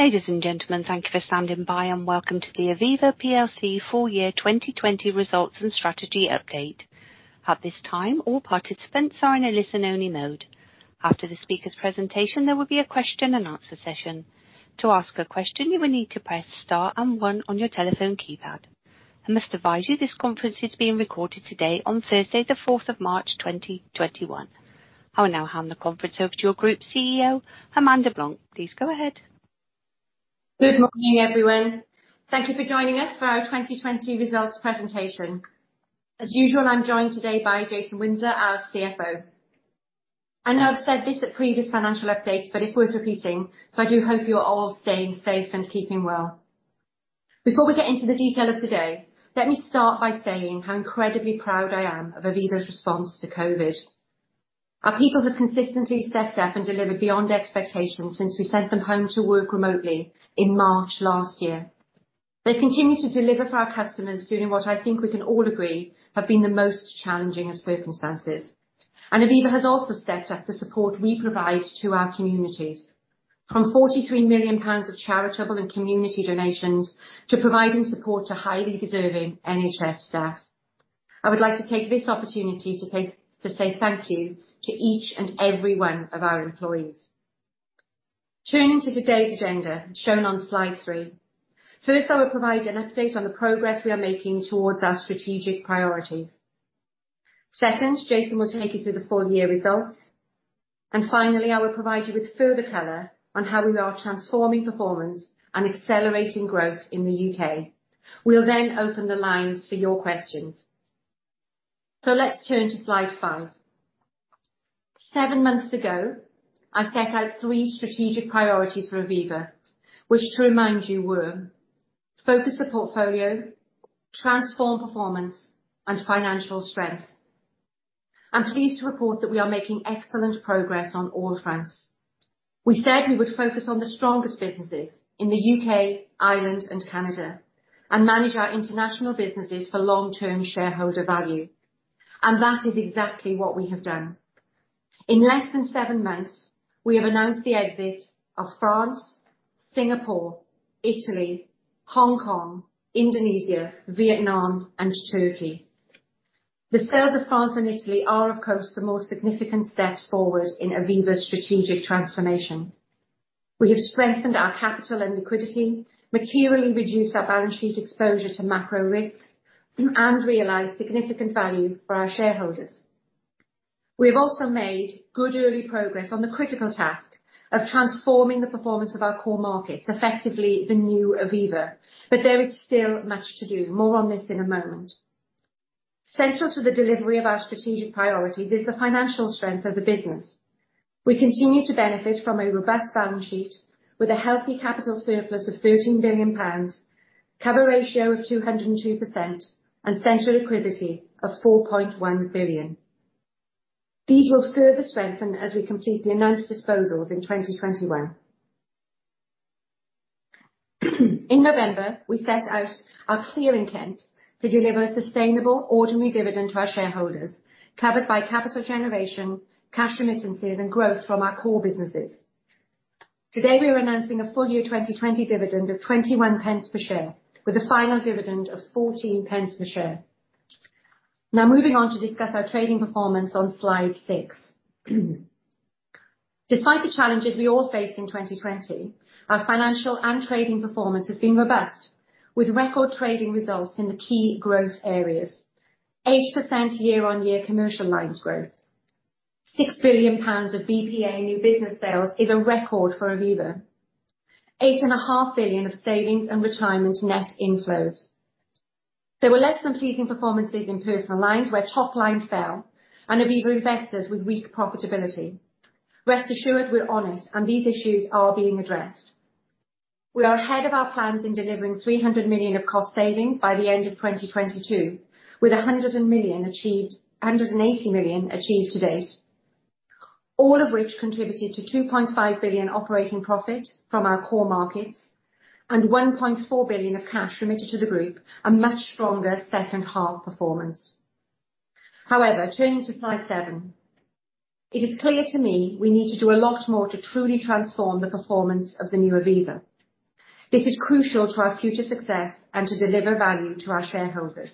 Ladies and gentlemen, thank you for standing by, and welcome to the Aviva PLC full year 2020 results and strategy update. At this time, all participants are in a listen-only mode. After the speaker's presentation, there will be a question and answer session. To ask a question, you will need to press Star and One on your telephone keypad. I must advise you, this conference is being recorded today on Thursday, the fourth of March, 2021. I will now hand the conference over to your Group CEO, Amanda Blanc. Please go ahead. Good morning, everyone. Thank you for joining us for our 2020 results presentation. As usual, I'm joined today by Jason Windsor, our CFO. I know I've said this at previous financial updates, but it's worth repeating, so I do hope you are all staying safe and keeping well. Before we get into the detail of today, let me start by saying how incredibly proud I am of Aviva's response to COVID. Our people have consistently stepped up and delivered beyond expectations since we sent them home to work remotely in March last year. They've continued to deliver for our customers during what I think we can all agree have been the most challenging of circumstances. And Aviva has also stepped up the support we provide to our communities, from 43 million pounds of charitable and community donations to providing support to highly deserving NHS staff. I would like to take this opportunity to say thank you to each and every one of our employees. Turning to today's agenda, shown on slide 3. First, I will provide an update on the progress we are making towards our strategic priorities. Second, Jason will take you through the full year results. And finally, I will provide you with further color on how we are transforming performance and accelerating growth in the U.K.. We'll then open the lines for your questions. So let's turn to slide 5. 7 months ago, I set out 3 strategic priorities for Aviva, which, to remind you, were: focus the portfolio, transform performance, and financial strength. I'm pleased to report that we are making excellent progress on all fronts. We said we would focus on the strongest businesses in the U.K., Ireland, and Canada, and manage our international businesses for long-term shareholder value. That is exactly what we have done. In less than seven months, we have announced the exit of France, Singapore, Italy, Hong Kong, Indonesia, Vietnam, and Turkey. The sales of France and Italy are, of course, the most significant steps forward in Aviva's strategic transformation. We have strengthened our capital and liquidity, materially reduced our balance sheet exposure to macro risks, and realized significant value for our shareholders. We have also made good early progress on the critical task of transforming the performance of our core markets, effectively, the new Aviva, but there is still much to do. More on this in a moment. Central to the delivery of our strategic priorities is the financial strength of the business. We continue to benefit from a robust balance sheet with a healthy capital surplus of 13 billion pounds, cover ratio of 202%, and central liquidity of 4.1 billion. These will further strengthen as we complete the announced disposals in 2021. In November, we set out our clear intent to deliver a sustainable ordinary dividend to our shareholders, covered by capital generation, cash remittances, and growth from our core businesses. Today, we are announcing a full year 2020 dividend of 21 pence per share, with a final dividend of 14 pence per share. Now, moving on to discuss our trading performance on slide 6. Despite the challenges we all faced in 2020, our financial and trading performance has been robust, with record trading results in the key growth areas. 8% year-on-year commercial lines growth. 6 billion pounds of BPA new business sales is a record for Aviva. 8.5 billion of savings and retirement net inflows. There were less than pleasing performances in personal lines, where top line fell, and Aviva Investors with weak profitability. Rest assured, we're honest, and these issues are being addressed. We are ahead of our plans in delivering 300 million of cost savings by the end of 2022, with 180 million achieved to date. All of which contributed to 2.5 billion operating profit from our core markets and 1.4 billion of cash remitted to the group, a much stronger second half performance. However, turning to slide 7, it is clear to me we need to do a lot more to truly transform the performance of the new Aviva, This is crucial to our future success and to deliver value to our shareholders.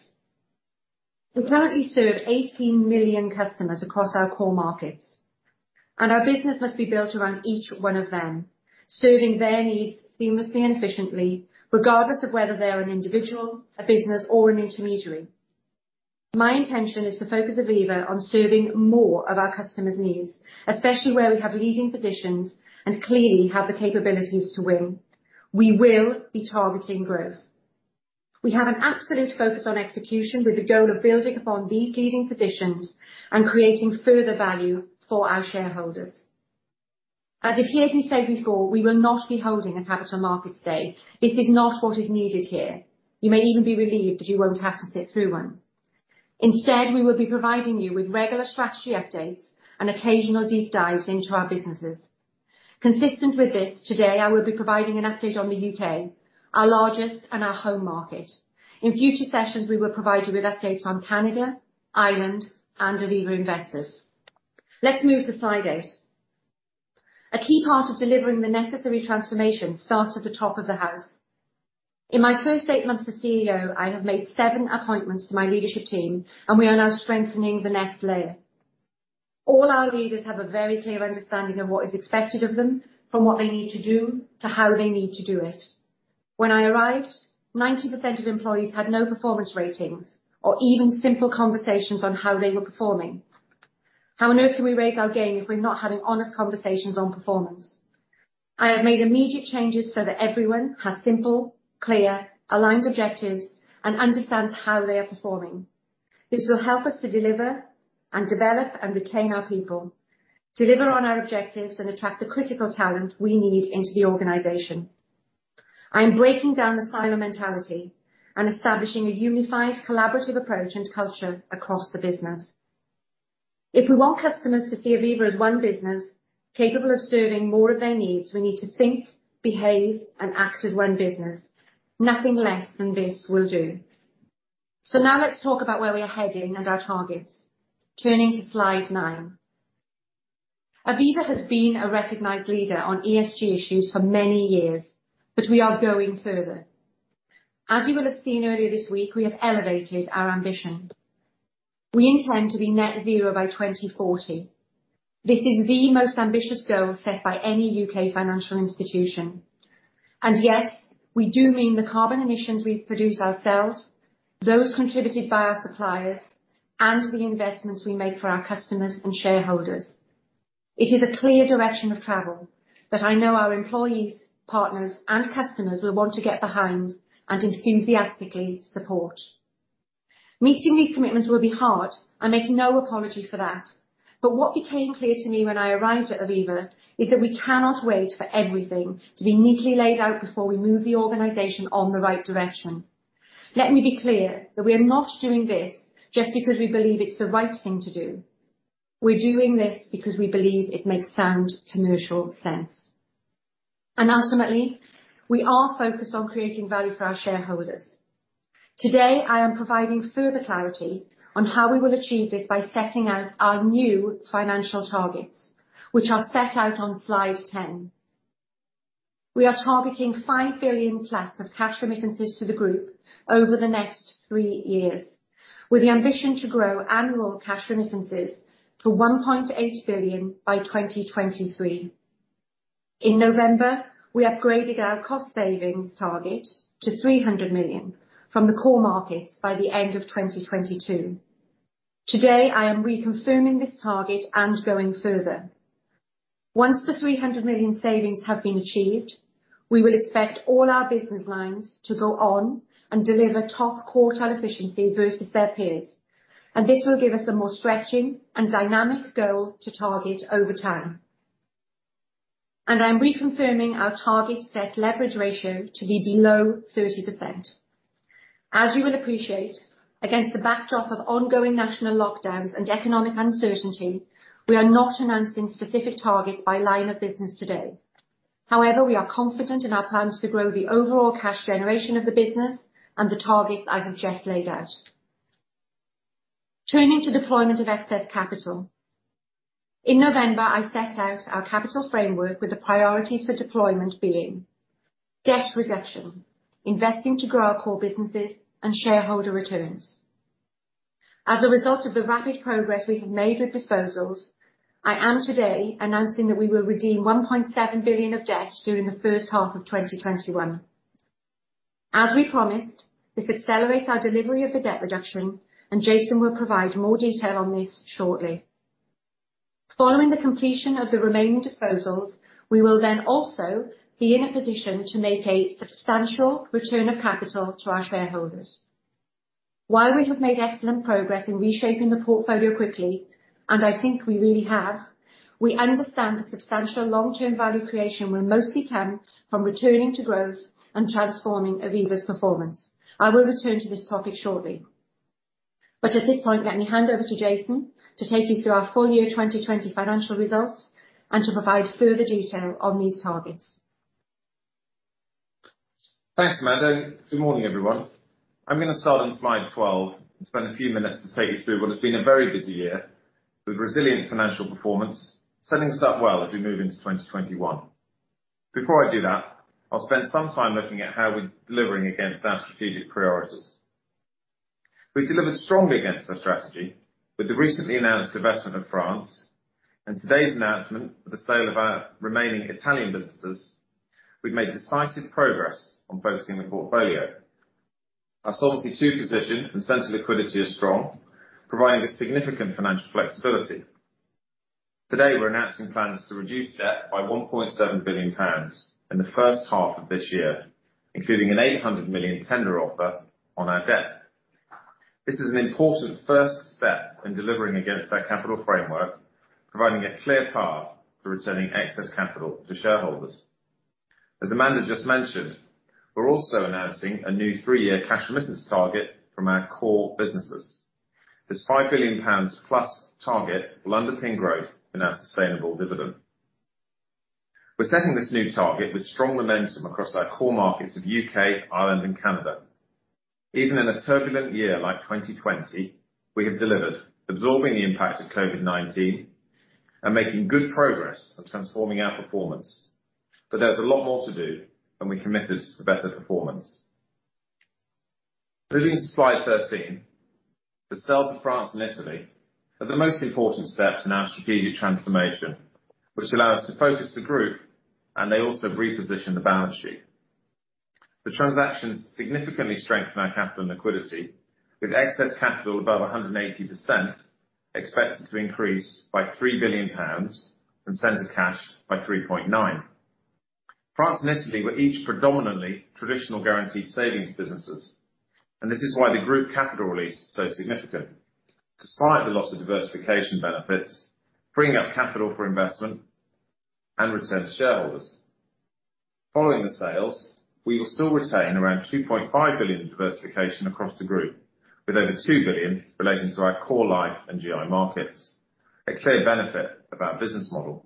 We currently serve 18 million customers across our core markets, and our business must be built around each one of them, serving their needs seamlessly and efficiently, regardless of whether they're an individual, a business, or an intermediary. My intention is to focus Aviva on serving more of our customers' needs, especially where we have leading positions and clearly have the capabilities to win. We will be targeting growth. We have an absolute focus on execution, with the goal of building upon these leading positions and creating further value for our shareholders. As I've clearly said before, we will not be holding a capital markets day. This is not what is needed here. You may even be relieved that you won't have to sit through one. Instead, we will be providing you with regular strategy updates and occasional deep dives into our businesses. Consistent with this, today, I will be providing an update on the U.K., our largest and our home market. In future sessions, we will provide you with updates on Canada, Ireland, and Aviva Investors... Let's move to slide 8. A key part of delivering the necessary transformation starts at the top of the house. In my first 8 months as CEO, I have made 7 appointments to my leadership team, and we are now strengthening the next layer. All our leaders have a very clear understanding of what is expected of them, from what they need to do, to how they need to do it. When I arrived, 90% of employees had no performance ratings or even simple conversations on how they were performing. How on earth can we raise our game if we're not having honest conversations on performance? I have made immediate changes so that everyone has simple, clear, aligned objectives and understands how they are performing. This will help us to deliver and develop and retain our people, deliver on our objectives, and attract the critical talent we need into the organization. I am breaking down the silo mentality and establishing a unified, collaborative approach and culture across the business. If we want customers to see Aviva as one business capable of serving more of their needs, we need to think, behave, and act as one business. Nothing less than this will do. So now let's talk about where we are heading and our targets. Turning to slide 9. Aviva has been a recognized leader on ESG issues for many years, but we are going further. As you will have seen earlier this week, we have elevated our ambition. We intend to be Net Zero by 2040. This is the most ambitious goal set by any U.K. financial institution. And yes, we do mean the carbon emissions we produce ourselves, those contributed by our suppliers, and the investments we make for our customers and shareholders. It is a clear direction of travel that I know our employees, partners, and customers will want to get behind and enthusiastically support. Meeting these commitments will be hard, I make no apology for that. But what became clear to me when I arrived at Aviva, is that we cannot wait for everything to be neatly laid out before we move the organization on the right direction. Let me be clear that we are not doing this just because we believe it's the right thing to do. We're doing this because we believe it makes sound commercial sense. Ultimately, we are focused on creating value for our shareholders. Today, I am providing further clarity on how we will achieve this by setting out our new financial targets, which are set out on slide 10. We are targeting 5 billion+ of cash remittances to the group over the next three years, with the ambition to grow annual cash remittances to 1.8 billion by 2023. In November, we upgraded our cost savings target to 300 million from the core markets by the end of 2022. Today, I am reconfirming this target and going further. Once the 300 million savings have been achieved, we will expect all our business lines to go on and deliver top quartile efficiency versus their peers, and this will give us a more stretching and dynamic goal to target over time. And I'm reconfirming our target debt leverage ratio to be below 30%. As you will appreciate, against the backdrop of ongoing national lockdowns and economic uncertainty, we are not announcing specific targets by line of business today. However, we are confident in our plans to grow the overall cash generation of the business and the targets I have just laid out. Turning to deployment of excess capital. In November, I set out our capital framework with the priorities for deployment being: debt reduction, investing to grow our core businesses, and shareholder returns. As a result of the rapid progress we have made with disposals, I am today announcing that we will redeem 1.7 billion of debt during the first half of 2021. As we promised, this accelerates our delivery of the debt reduction, and Jason will provide more detail on this shortly. Following the completion of the remaining disposals, we will then also be in a position to make a substantial return of capital to our shareholders. While we have made excellent progress in reshaping the portfolio quickly, and I think we really have, we understand the substantial long-term value creation will mostly come from returning to growth and transforming Aviva's performance. I will return to this topic shortly. But at this point, let me hand over to Jason to take you through our full year 2020 financial results and to provide further detail on these targets. Thanks, Amanda. Good morning, everyone. I'm going to start on slide 12 and spend a few minutes to take you through what has been a very busy year with resilient financial performance, setting us up well as we move into 2021. Before I do that, I'll spend some time looking at how we're delivering against our strategic priorities. We've delivered strongly against our strategy. With the recently announced investment in France and today's announcement of the sale of our remaining Italian businesses, we've made decisive progress on focusing the portfolio. Our Solvency II position and central liquidity is strong, providing us significant financial flexibility. Today, we're announcing plans to reduce debt by 1.7 billion pounds in the first half of this year, including a 800 million tender offer on our debt. This is an important first step in delivering against our capital framework, providing a clear path to returning excess capital to shareholders. As Amanda just mentioned, we're also announcing a new three-year cash remittance target from our core businesses. This 5 billion pounds+ target will underpin growth in our sustainable dividend.... We're setting this new target with strong momentum across our core markets of U.K., Ireland, and Canada. Even in a turbulent year like 2020, we have delivered, absorbing the impact of COVID-19 and making good progress on transforming our performance. But there's a lot more to do, and we're committed to better performance. Moving to Slide 13, the sales of France and Italy are the most important steps in our strategic transformation, which allow us to focus the group, and they also reposition the balance sheet. The transactions significantly strengthen our capital and liquidity, with excess capital above 180%, expected to increase by 3 billion pounds and central cash by 3.9 billion. France and Italy were each predominantly traditional guaranteed savings businesses, and this is why the group capital release is so significant. Despite the loss of diversification benefits, freeing up capital for investment and return to shareholders. Following the sales, we will still retain around 2.5 billion in diversification across the group, with over 2 billion relating to our core life and GI markets, a clear benefit of our business model.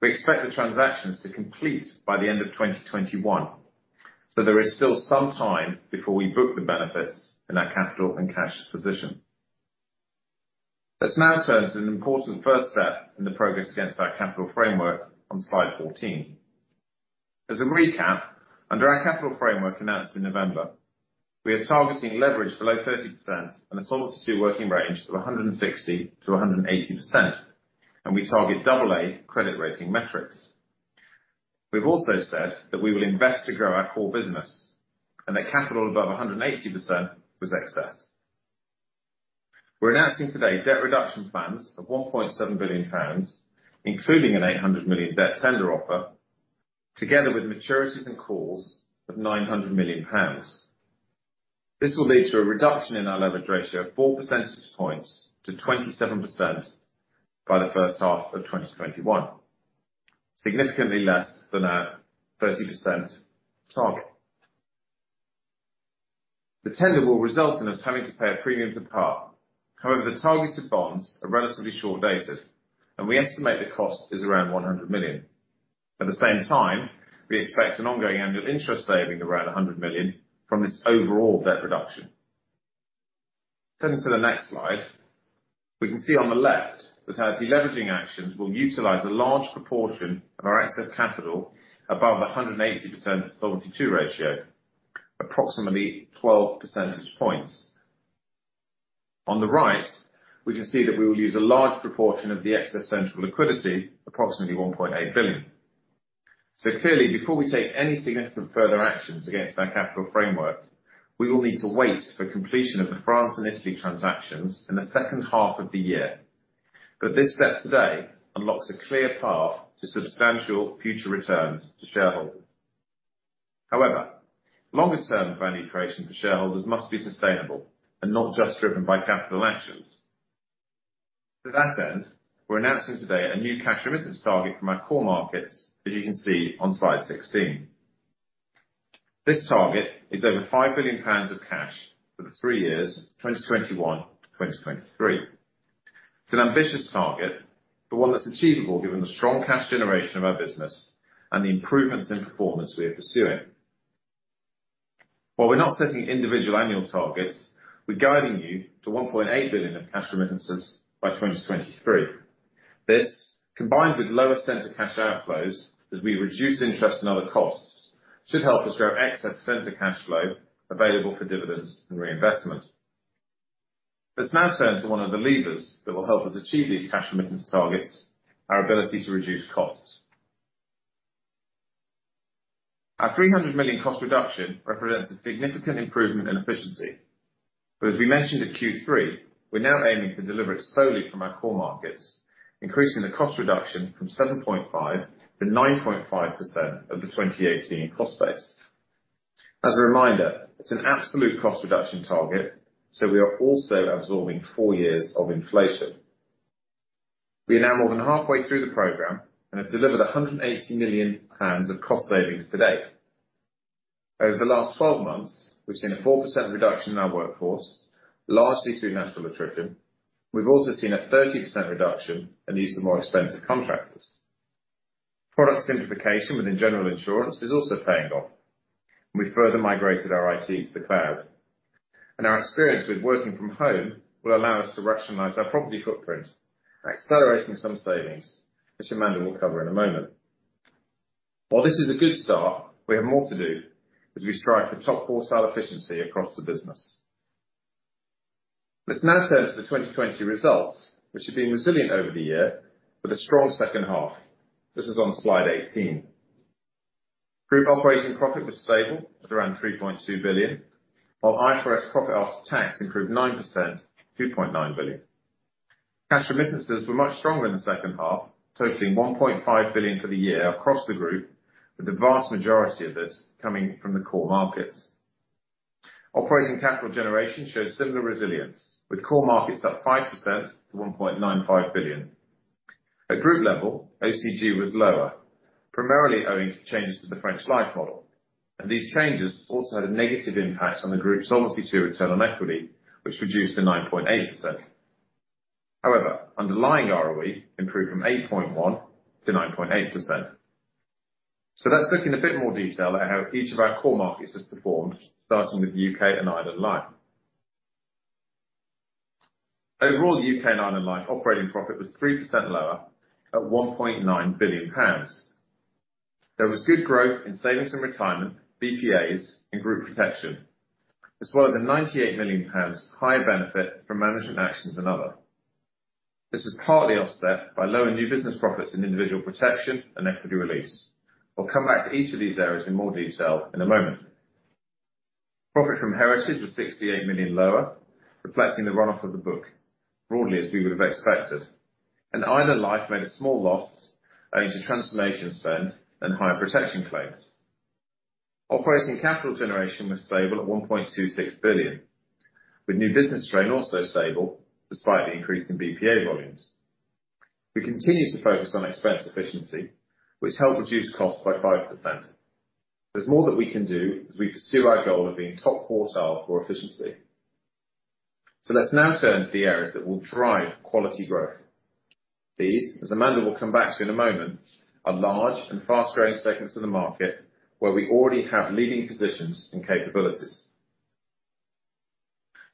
We expect the transactions to complete by the end of 2021, so there is still some time before we book the benefits in our capital and cash position. Let's now turn to an important first step in the progress against our capital framework on Slide 14. As a recap, under our capital framework announced in November, we are targeting leverage below 30% and a Solvency II working range of 160%-180%, and we target double A credit rating metrics. We've also said that we will invest to grow our core business and that capital above 180% was excess. We're announcing today debt reduction plans of GBP 1.7 billion, including a GBP 800 million debt tender offer, together with maturities and calls of GBP 900 million. This will lead to a reduction in our leverage ratio of 4 percentage points to 27% by the first half of 2021, significantly less than our 30% target. The tender will result in us having to pay a premium to par. However, the targeted bonds are relatively short-dated, and we estimate the cost is around 100 million. At the same time, we expect an ongoing annual interest saving of around 100 million from this overall debt reduction. Turning to the next slide, we can see on the left that our deleveraging actions will utilize a large proportion of our excess capital above the 180% Solvency II ratio, approximately 12 percentage points. On the right, we can see that we will use a large proportion of the excess central liquidity, approximately 1.8 billion. So clearly, before we take any significant further actions against our capital framework, we will need to wait for completion of the France and Italy transactions in the second half of the year. But this step today unlocks a clear path to substantial future returns to shareholders. However, longer term value creation for shareholders must be sustainable and not just driven by capital actions. To that end, we're announcing today a new cash remittance target for our core markets, as you can see on Slide 16. This target is over 5 billion pounds of cash for the three years, 2021 to 2023. It's an ambitious target, but one that's achievable given the strong cash generation of our business and the improvements in performance we are pursuing. While we're not setting individual annual targets, we're guiding you to 1.8 billion of cash remittances by 2023. This, combined with lower center cash outflows as we reduce interest and other costs, should help us grow excess center cash flow available for dividends and reinvestment. Let's now turn to one of the levers that will help us achieve these cash remittance targets, our ability to reduce costs. Our 300 million cost reduction represents a significant improvement in efficiency, but as we mentioned at Q3, we're now aiming to deliver it solely from our core markets, increasing the cost reduction from 7.5%-9.5% of the 2018 cost base. As a reminder, it's an absolute cost reduction target, so we are also absorbing 4 years of inflation. We are now more than halfway through the program and have delivered 180 million pounds of cost savings to date. Over the last 12 months, we've seen a 4% reduction in our workforce, largely through natural attrition. We've also seen a 30% reduction in the use of more expensive contractors. Product simplification within general insurance is also paying off. We've further migrated our IT to the cloud, and our experience with working from home will allow us to rationalize our property footprint, accelerating some savings, which Amanda will cover in a moment. While this is a good start, we have more to do as we strive for top quartile efficiency across the business. Let's now turn to the 2020 results, which have been resilient over the year with a strong second half. This is on Slide 18. Group operating profit was stable at around 3.2 billion, while IFRS profit after tax improved 9% to 2.9 billion. Cash remittances were much stronger in the second half, totaling 1.5 billion for the year across the group, with the vast majority of this coming from the core markets. Operating capital generation showed similar resilience, with core markets up 5% to 1.95 billion. At group level, OCG was lower, primarily owing to changes to the French Life model, and these changes also had a negative impact on the group's Solvency II return on equity, which reduced to 9.8%. However, underlying ROE improved from 8.1% to 9.8%. So let's look in a bit more detail at how each of our core markets has performed, starting with U.K. and Ireland Life. Overall, the U.K. and Ireland Life operating profit was 3% lower at 1.9 billion pounds. There was good growth in savings and retirement, BPAs, and group protection, as well as a 98 million pounds higher benefit from management actions and other. This is partly offset by lower new business profits in individual protection and equity release. We'll come back to each of these areas in more detail in a moment. Profit from Heritage was 68 million lower, reflecting the run-off of the book, broadly as we would have expected. Ireland Life made a small loss owing to transformation spend and higher protection claims. Operating capital generation was stable at 1.26 billion, with new business strain also stable, despite the increase in BPA volumes. We continued to focus on expense efficiency, which helped reduce costs by 5%. There's more that we can do as we pursue our goal of being top quartile for efficiency. So let's now turn to the areas that will drive quality growth. These, as Amanda will come back to in a moment, are large and fast-growing segments of the market, where we already have leading positions and capabilities.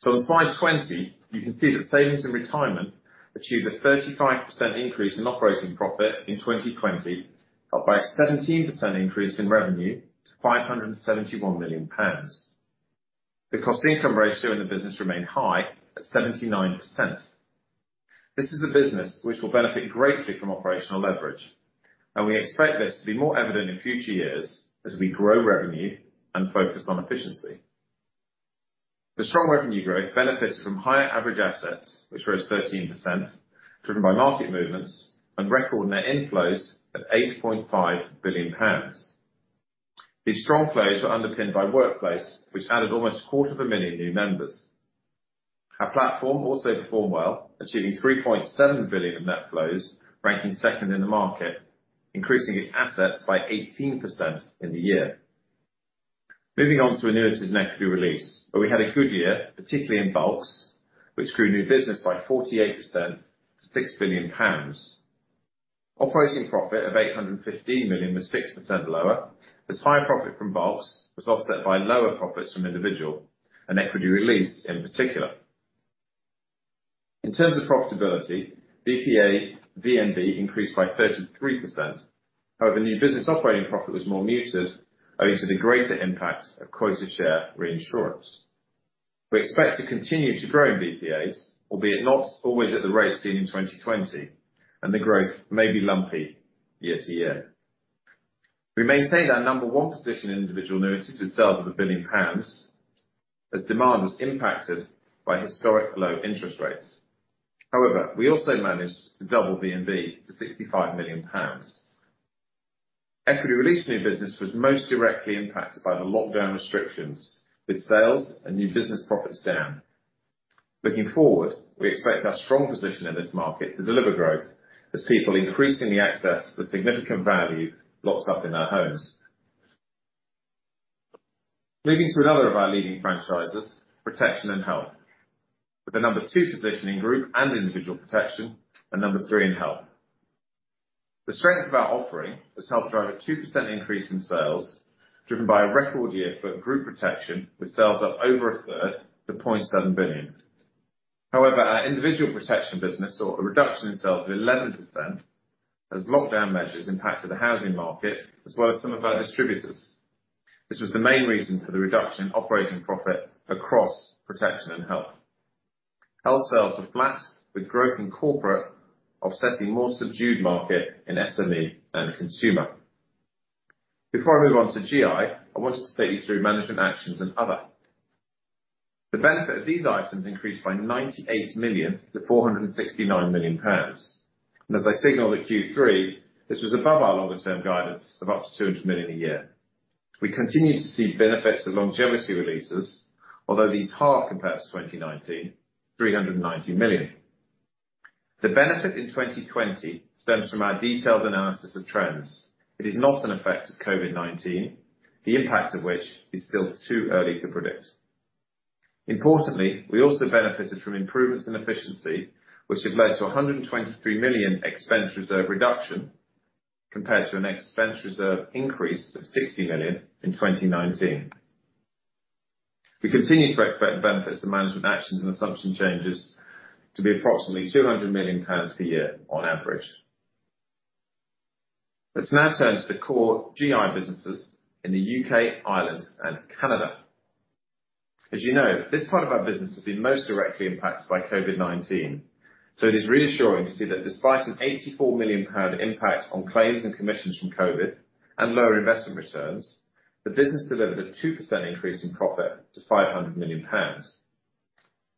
So on slide 20, you can see that savings and retirement achieved a 35% increase in operating profit in 2020, up by a 17% increase in revenue to 571 million pounds. The cost-income ratio in the business remained high at 79%. This is a business which will benefit greatly from operational leverage, and we expect this to be more evident in future years as we grow revenue and focus on efficiency. The strong revenue growth benefits from higher average assets, which rose 13%, driven by market movements and record net inflows of 8.5 billion pounds. These strong flows were underpinned by Workplace, which added almost 250,000 new members. Our platform also performed well, achieving 3.7 billion of net flows, ranking second in the market, increasing its assets by 18% in the year. Moving on to annuities and equity release, where we had a good year, particularly in bulks, which grew new business by 48% to 6 billion pounds. Operating profit of 815 million was 6% lower, as higher profit from bulks was offset by lower profits from individual and equity release in particular. In terms of profitability, BPA VNB increased by 33%. However, new business operating profit was more muted, owing to the greater impact of quota share reinsurance. We expect to continue to grow in BPAs, albeit not always at the rate seen in 2020, and the growth may be lumpy year-to-year. We maintained our number one position in individual annuities with sales of 1 billion pounds, as demand was impacted by historic low interest rates. However, we also managed to double VNB to 65 million pounds. Equity release new business was most directly impacted by the lockdown restrictions, with sales and new business profits down. Looking forward, we expect our strong position in this market to deliver growth as people increasingly access the significant value locked up in their homes. Moving to another of our leading franchises, protection and health, with a number two position in group and individual protection and number three in health. The strength of our offering has helped drive a 2% increase in sales, driven by a record year for group protection, with sales up over a third to 0.7 billion. However, our individual protection business saw a reduction in sales of 11%, as lockdown measures impacted the housing market, as well as some of our distributors. This was the main reason for the reduction in operating profit across protection and health. Health sales were flat, with growth in corporate offsetting a more subdued market in SME and consumer. Before I move on to GI, I wanted to take you through management actions and other. The benefit of these items increased by 98 million to 469 million pounds, and as I signaled at Q3, this was above our longer-term guidance of up to 200 million a year. We continue to see benefits of longevity releases, although these halve compared to 2019, 390 million. The benefit in 2020 stems from our detailed analysis of trends. It is not an effect of COVID-19, the impact of which is still too early to predict. Importantly, we also benefited from improvements in efficiency, which have led to a 123 million expense reserve reduction compared to an expense reserve increase of 60 million in 2019. We continue to expect the benefits of management actions and assumption changes to be approximately 200 million per year on average. Let's now turn to the core GI businesses in the U.K., Ireland, and Canada. As you know, this part of our business has been most directly impacted by COVID-19, so it is reassuring to see that despite a 84 million pound impact on claims and commissions from COVID and lower investment returns, the business delivered a 2% increase in profit to 500 million pounds.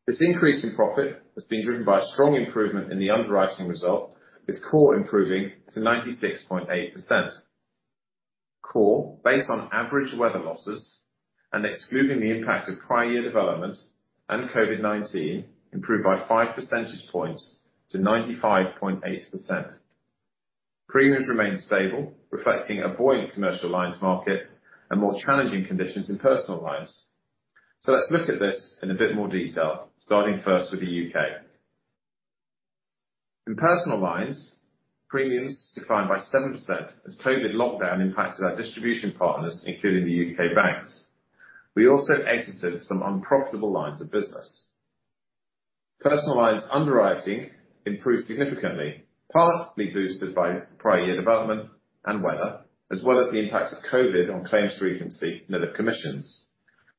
This increase in profit has been driven by a strong improvement in the underwriting result, with core improving to 96.8%. COR, based on average weather losses and excluding the impact of prior year development and COVID-19, improved by five percentage points to 95.8%.... Premiums remained stable, reflecting a buoyant commercial lines market and more challenging conditions in personal lines. So let's look at this in a bit more detail, starting first with the U.K.. In personal lines, premiums declined by 7% as COVID lockdown impacted our distribution partners, including the U.K. banks. We also exited some unprofitable lines of business. Personal lines underwriting improved significantly, partly boosted by prior year development and weather, as well as the impacts of COVID on claims frequency and other commissions.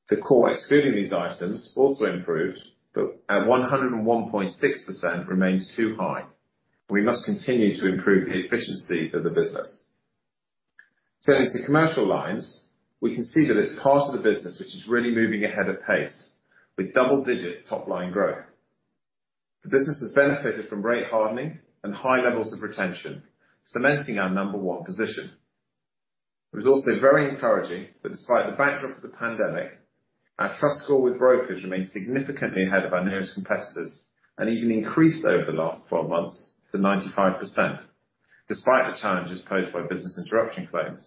The COR, excluding these items, also improved, but at 101.6% remains too high. We must continue to improve the efficiency of the business. Turning to commercial lines, we can see that it's part of the business which is really moving ahead at pace, with double-digit top-line growth. The business has benefited from rate hardening and high levels of retention, cementing our number one position. It was also very encouraging that despite the backdrop of the pandemic, our trust score with brokers remained significantly ahead of our nearest competitors, and even increased over the last 4 months to 95%, despite the challenges posed by business interruption claims.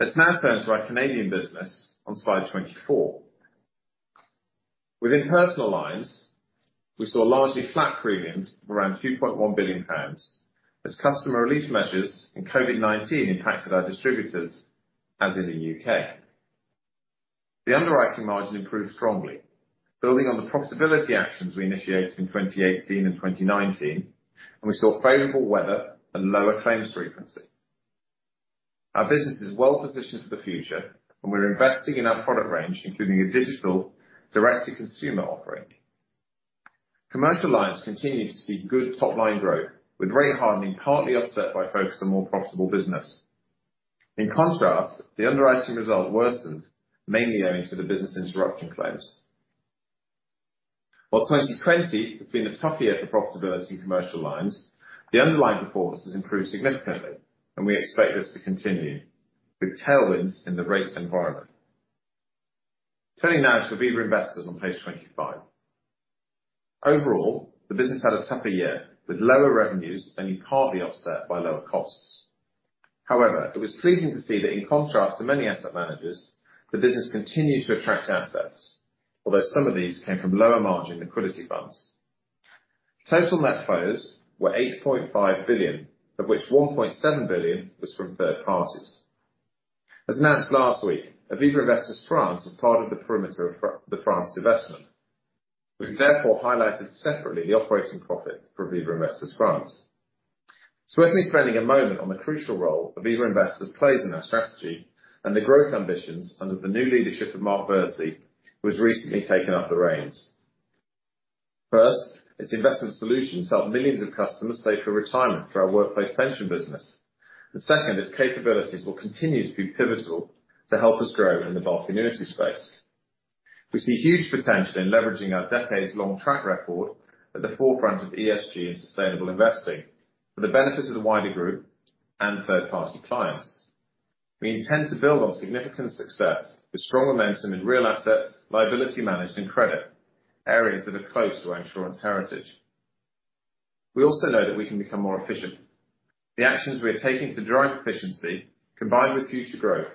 Let's now turn to our Canadian business on slide 24. Within personal lines, we saw largely flat premiums of around 2.1 billion pounds, as customer relief measures and COVID-19 impacted our distributors, as in the U.K. The underwriting margin improved strongly, building on the profitability actions we initiated in 2018 and 2019, and we saw favorable weather and lower claims frequency. Our business is well positioned for the future, and we're investing in our product range, including a digital direct-to-consumer offering. Commercial lines continued to see good top-line growth, with rate hardening partly offset by focus on more profitable business. In contrast, the underwriting result worsened, mainly owing to the business interruption claims. While 2020 has been a tough year for profitability in commercial lines, the underlying performance has improved significantly, and we expect this to continue with tailwinds in the rates environment. Turning now to Aviva Investors on page 25. Overall, the business had a tougher year, with lower revenues, and partly offset by lower costs. However, it was pleasing to see that in contrast to many asset managers, the business continued to attract assets, although some of these came from lower margin liquidity funds. Total net flows were 8.5 billion, of which 1.7 billion was from third parties. As announced last week, Aviva Investors France is part of the perimeter of the France divestment. We've therefore highlighted separately the operating profit for Aviva Investors France. So let me spend a moment on the crucial role Aviva Investors plays in our strategy and the growth ambitions under the new leadership of Mark Versey, who has recently taken up the reins. First, its investment solutions help millions of customers save for retirement through our workplace pension business. Second, its capabilities will continue to be pivotal to help us grow in the wealth and annuity space. We see huge potential in leveraging our decades-long track record at the forefront of ESG and sustainable investing for the benefit of the wider group and third-party clients. We intend to build on significant success with strong momentum in real assets, liability management, and credit, areas that are close to our insurance heritage. We also know that we can become more efficient. The actions we are taking to drive efficiency, combined with future growth,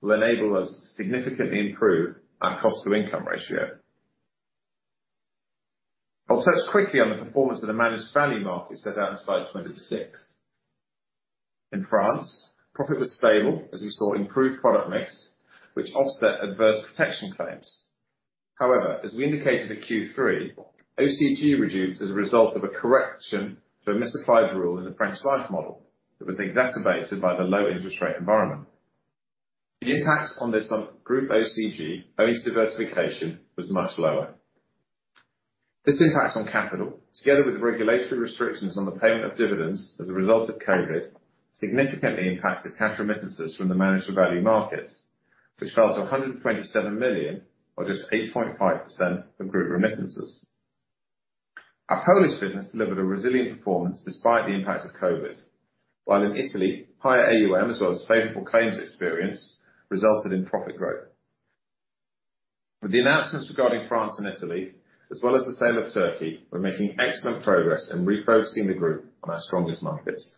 will enable us to significantly improve our cost-to-income ratio. I'll touch quickly on the performance of the Managed Value markets set out in slide 26. In France, profit was stable as we saw improved product mix, which offset adverse protection claims. However, as we indicated in Q3, OCG reduced as a result of a correction to a misapplied rule in the French life model that was exacerbated by the low interest rate environment. The impact on this on Group OCG, owing to diversification, was much lower. This impact on capital, together with the regulatory restrictions on the payment of dividends as a result of COVID, significantly impacted cash remittances from the Managed Value markets, which fell to 127 million, or just 8.5% of group remittances. Our Polish business delivered a resilient performance despite the impacts of COVID, while in Italy, higher AUM, as well as favorable claims experience, resulted in profit growth. With the announcements regarding France and Italy, as well as the sale of Turkey, we're making excellent progress in refocusing the group on our strongest markets.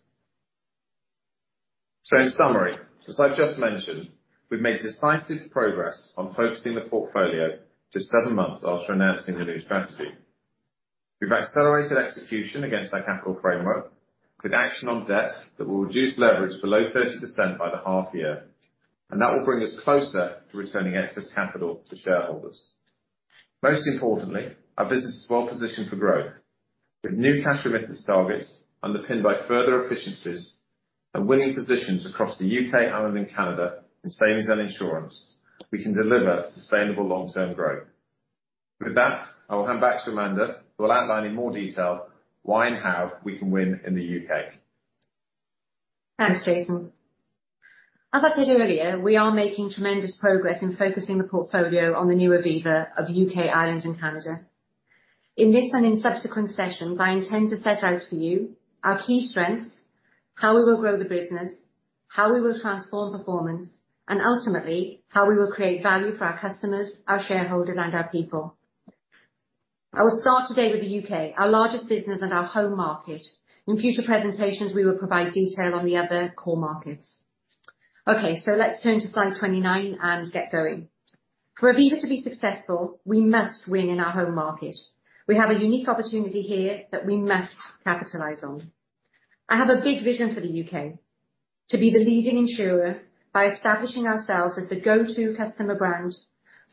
So in summary, as I've just mentioned, we've made decisive progress on focusing the portfolio just seven months after announcing the new strategy. We've accelerated execution against our capital framework with action on debt that will reduce leverage below 30% by the half year, and that will bring us closer to returning excess capital to shareholders. Most importantly, our business is well positioned for growth, with new cash remittance targets underpinned by further efficiencies and winning positions across the U.K., Ireland, and Canada in savings and insurance, we can deliver sustainable long-term growth. With that, I will hand back to Amanda, who will outline in more detail why and how we can win in the U.K. Thanks, Jason. As I said earlier, we are making tremendous progress in focusing the portfolio on the new Aviva of U.K., Ireland, and Canada. In this and in subsequent sessions, I intend to set out for you our key strengths, how we will grow the business, how we will transform performance, and ultimately, how we will create value for our customers, our shareholders, and our people.... I will start today with the U.K., our largest business and our home market. In future presentations, we will provide detail on the other core markets. Okay, so let's turn to slide 29 and get going. For Aviva to be successful, we must win in our home market. We have a unique opportunity here that we must capitalize on. I have a big vision for the U.K.: to be the leading insurer by establishing ourselves as the go-to customer brand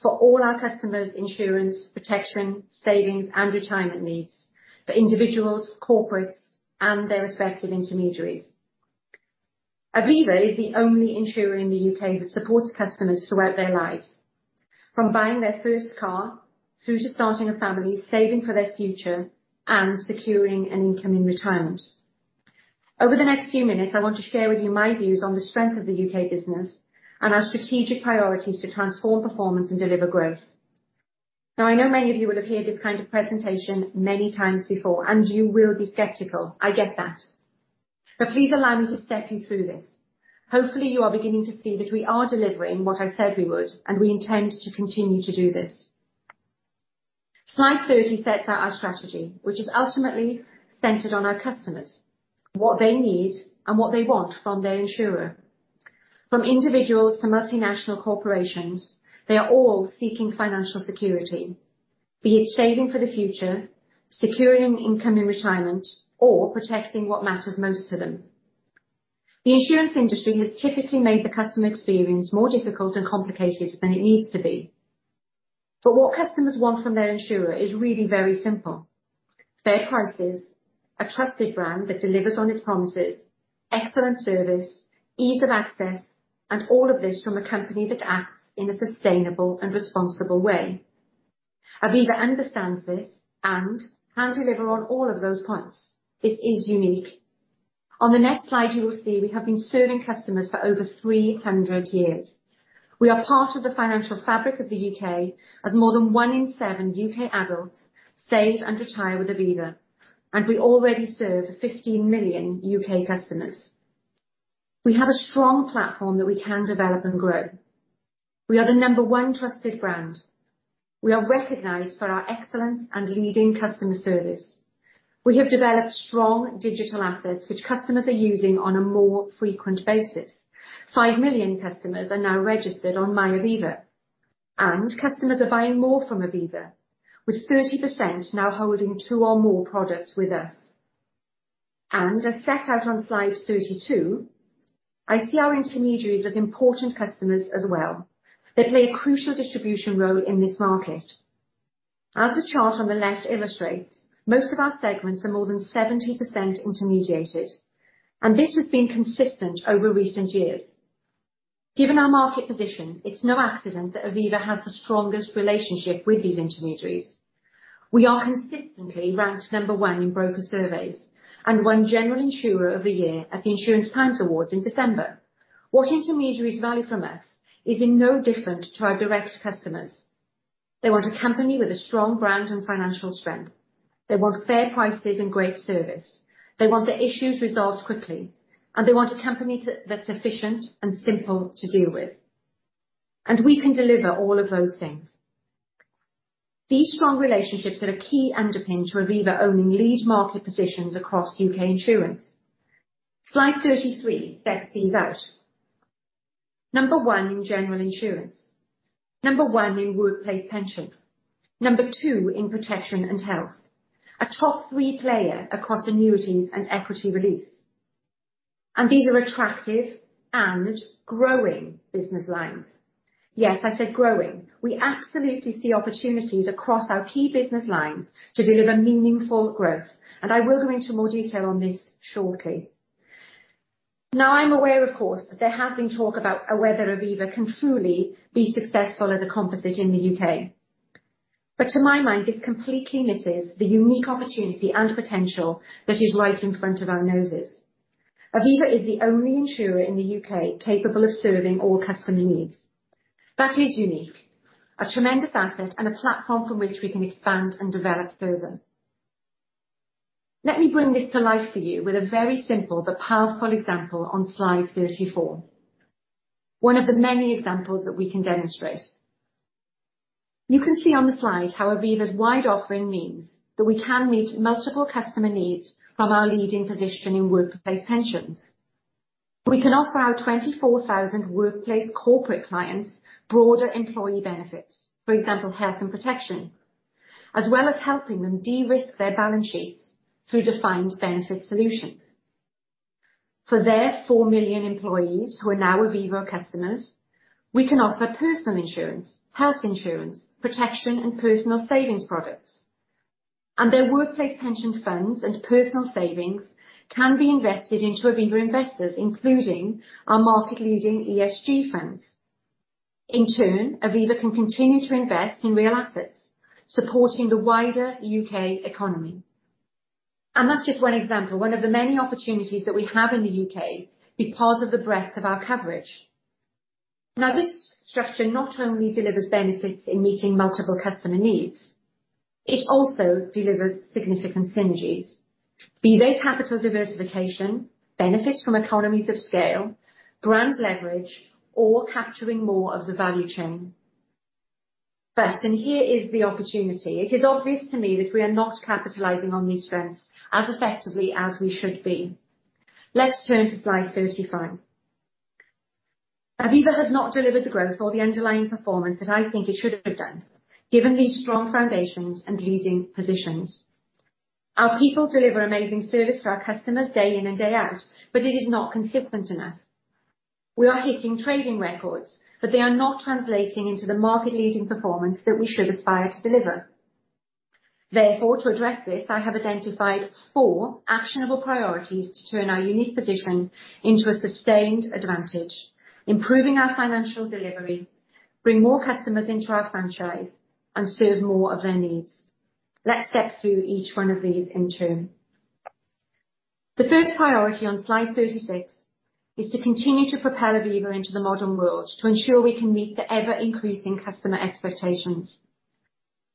for all our customers' insurance, protection, savings, and retirement needs, for individuals, corporates, and their respective intermediaries. Aviva is the only insurer in the U.K. that supports customers throughout their lives, from buying their first car through to starting a family, saving for their future, and securing an income in retirement. Over the next few minutes, I want to share with you my views on the strength of the U.K. business and our strategic priorities to transform performance and deliver growth. Now, I know many of you will have heard this kind of presentation many times before, and you will be skeptical. I get that. But please allow me to step you through this Hopefully, you are beginning to see that we are delivering what I said we would, and we intend to continue to do this. Slide 30 sets out our strategy, which is ultimately centered on our customers, what they need and what they want from their insurer. From individuals to multinational corporations, they are all seeking financial security, be it saving for the future, securing an income in retirement, or protecting what matters most to them. The insurance industry has typically made the customer experience more difficult and complicated than it needs to be. But what customers want from their insurer is really very simple: fair prices, a trusted brand that delivers on its promises, excellent service, ease of access, and all of this from a company that acts in a sustainable and responsible way. Aviva understands this and can deliver on all of those points. This is unique. On the next slide, you will see we have been serving customers for over 300 years. We are part of the financial fabric of the U.K., as more than one in seven U.K. adults save and retire with Aviva, and we already serve 15 million U.K. customers. We have a strong platform that we can develop and grow. We are the number one trusted brand. We are recognized for our excellence and leading customer service. We have developed strong digital assets, which customers are using on a more frequent basis. 5 million customers are now registered on MyAviva, and customers are buying more from Aviva, with 30% now holding two or more products with us. And as set out on slide 32, I see our intermediaries as important customers as well. They play a crucial distribution role in this market. As the chart on the left illustrates, most of our segments are more than 70% intermediated, and this has been consistent over recent years. Given our market position, it's no accident that Aviva has the strongest relationship with these intermediaries. We are consistently ranked number one in broker surveys and won General Insurer of the Year at the Insurance Times Awards in December. What intermediaries value from us is in no different to our direct customers. They want a company with a strong brand and financial strength. They want fair prices and great service. They want their issues resolved quickly, and they want a company that's efficient and simple to deal with. And we can deliver all of those things. These strong relationships are a key underpin to Aviva owning lead market positions across U.K. insurance. Slide 33 sets these out. Number 1 in general insurance, number 1 in workplace pension, number 2 in protection and health, a top 3 player across annuities and equity release. And these are attractive and growing business lines. Yes, I said growing. We absolutely see opportunities across our key business lines to deliver meaningful growth, and I will go into more detail on this shortly. Now, I'm aware, of course, that there has been talk about whether Aviva can truly be successful as a composite in the U.K. But to my mind, this completely misses the unique opportunity and potential that is right in front of our noses. Aviva is the only insurer in the U.K. capable of serving all customer needs. That is unique, a tremendous asset, and a platform from which we can expand and develop further. Let me bring this to life for you with a very simple but powerful example on slide 34, one of the many examples that we can demonstrate. You can see on the slide how Aviva's wide offering means that we can meet multiple customer needs from our leading position in workplace pensions. We can offer our 24,000 workplace corporate clients broader employee benefits, for example, health and protection, as well as helping them de-risk their balance sheets through Defined Benefit solutions. For their 4 million employees who are now Aviva customers, we can offer personal insurance, health insurance, protection, and personal savings products. And their workplace pension funds and personal savings can be invested into Aviva Investors, including our market-leading ESG funds. In turn, Aviva can continue to invest in real assets, supporting the wider U.K. economy. And that's just one example, one of the many opportunities that we have in the U.K. because of the breadth of our coverage. Now, this structure not only delivers benefits in meeting multiple customer needs, it also delivers significant synergies, be they capital diversification, benefits from economies of scale, brand leverage, or capturing more of the value chain. But, and here is the opportunity, it is obvious to me that we are not capitalizing on these strengths as effectively as we should be. Let's turn to slide 35. Aviva has not delivered the growth or the underlying performance that I think it should have done, given these strong foundations and leading positions. Our people deliver amazing service to our customers day in and day out, but it is not consistent enough. We are hitting trading records, but they are not translating into the market-leading performance that we should aspire to deliver. Therefore, to address this, I have identified four actionable priorities to turn our unique position into a sustained advantage, improving our financial delivery, bring more customers into our franchise, and serve more of their needs. Let's step through each one of these in turn. The first priority on slide 36 is to continue to propel Aviva into the modern world, to ensure we can meet the ever-increasing customer expectations.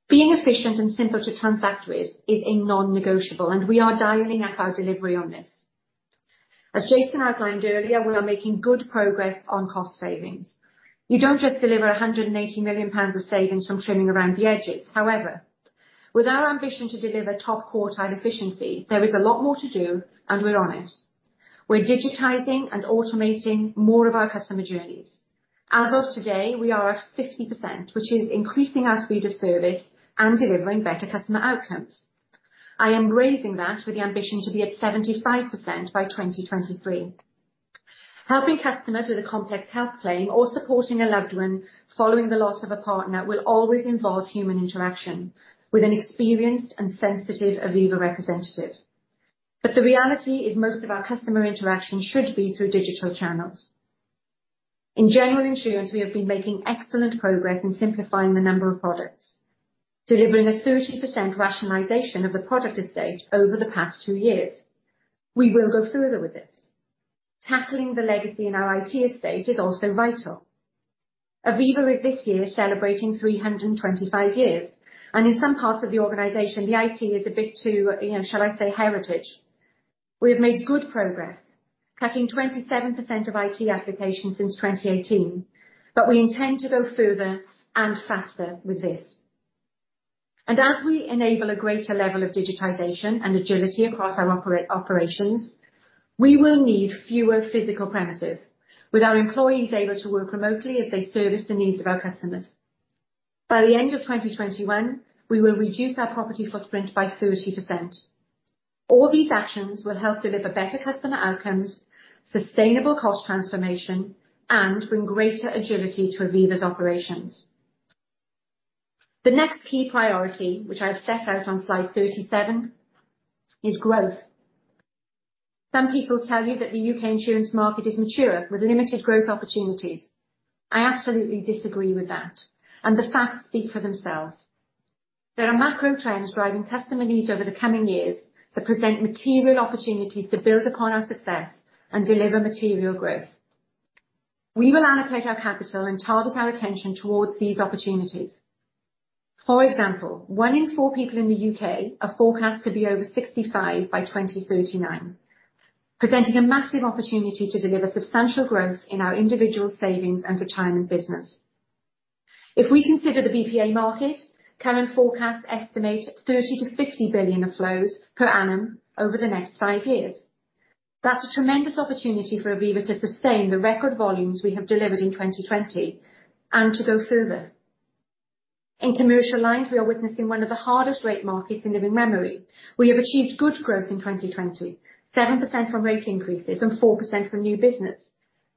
Being efficient and simple to transact with is a non-negotiable, and we are dialing up our delivery on this. As Jason outlined earlier, we are making good progress on cost savings. You don't just deliver 180 million pounds of savings from trimming around the edges. However, with our ambition to deliver top quartile efficiency, there is a lot more to do, and we're on it. We're digitizing and automating more of our customer journeys. As of today, we are at 50%, which is increasing our speed of service and delivering better customer outcomes. I am raising that with the ambition to be at 75% by 2023. Helping customers with a complex health claim or supporting a loved one following the loss of a partner will always involve human interaction with an experienced and sensitive Aviva representative. But the reality is, most of our customer interaction should be through digital channels. In general insurance, we have been making excellent progress in simplifying the number of products, delivering a 30% rationalization of the product estate over the past 2 years. We will go further with this. Tackling the legacy in our IT estate is also vital. Aviva is this year celebrating 325 years, and in some parts of the organization, the IT is a bit too, you know, shall I say, heritage. We have made good progress, cutting 27% of IT applications since 2018, but we intend to go further and faster with this. And as we enable a greater level of digitization and agility across our operations, we will need fewer physical premises, with our employees able to work remotely as they service the needs of our customers. By the end of 2021, we will reduce our property footprint by 30%. All these actions will help deliver better customer outcomes, sustainable cost transformation, and bring greater agility to Aviva's operations. The next key priority, which I've set out on slide 37, is growth. Some people tell you that the U.K. insurance market is mature with limited growth opportunities. I absolutely disagree with that, and the facts speak for themselves. There are macro trends driving customer needs over the coming years, that present material opportunities to build upon our success and deliver material growth. We will allocate our capital and target our attention towards these opportunities. For example, one in four people in the U.K. are forecast to be over 65 by 2039, presenting a massive opportunity to deliver substantial growth in our individual savings and retirement business. If we consider the BPA market, current forecasts estimate 30 billion-50 billion of flows per annum over the next five years. That's a tremendous opportunity for Aviva to sustain the record volumes we have delivered in 2020, and to go further. In commercial lines, we are witnessing one of the hardest rate markets in living memory. We have achieved good growth in 2020, 7% from rate increases and 4% from new business,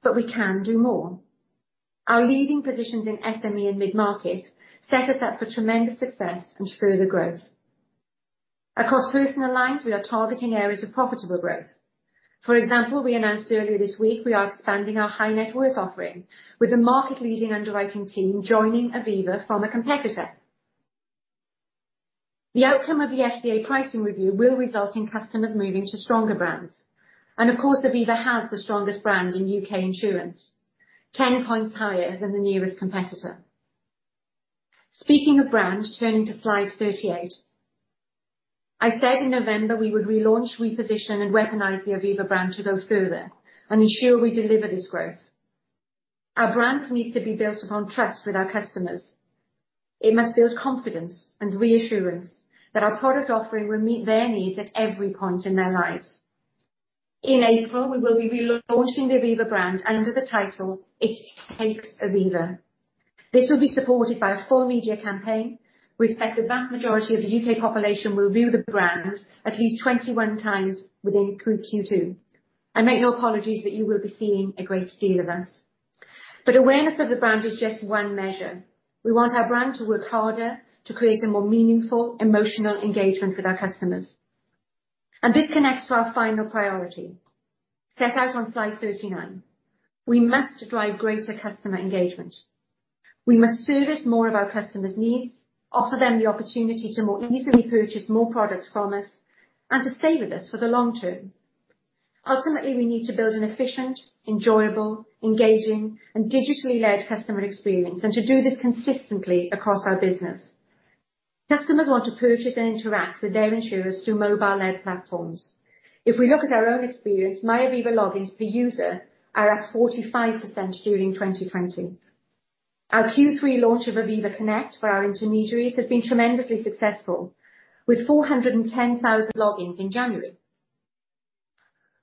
but we can do more. Our leading positions in SME and mid-market set us up for tremendous success and further growth. Across personal lines, we are targeting areas of profitable growth. For example, we announced earlier this week, we are expanding our high net worth offering, with a market-leading underwriting team joining Aviva from a competitor. The outcome of the FCA pricing review will result in customers moving to stronger brands. And of course, Aviva has the strongest brand in U.K. insurance, 10 points higher than the nearest competitor. Speaking of brand, turning to slide 38. I said in November we would relaunch, reposition, and weaponize the Aviva brand to go further and ensure we deliver this growth. Our brand needs to be built upon trust with our customers. It must build confidence and reassurance that our product offering will meet their needs at every point in their lives. In April, we will be relaunching the Aviva brand under the title, "It Takes Aviva." This will be supported by a full media campaign. We expect the vast majority of the U.K. population will view the brand at least 21 times within Q2. I make no apologies that you will be seeing a great deal of us. But awareness of the brand is just one measure. We want our brand to work harder to create a more meaningful emotional engagement with our customers. This connects to our final priority, set out on slide 39. We must drive greater customer engagement. We must service more of our customers' needs, offer them the opportunity to more easily purchase more products from us, and to stay with us for the long term. Ultimately, we need to build an efficient, enjoyable, engaging, and digitally-led customer experience, and to do this consistently across our business. Customers want to purchase and interact with their insurers through mobile-led platforms. If we look at our own experience, MyAviva logins per user are up 45% during 2020. Our Q3 launch of Aviva Connect for our intermediaries has been tremendously successful, with 410,000 logins in January.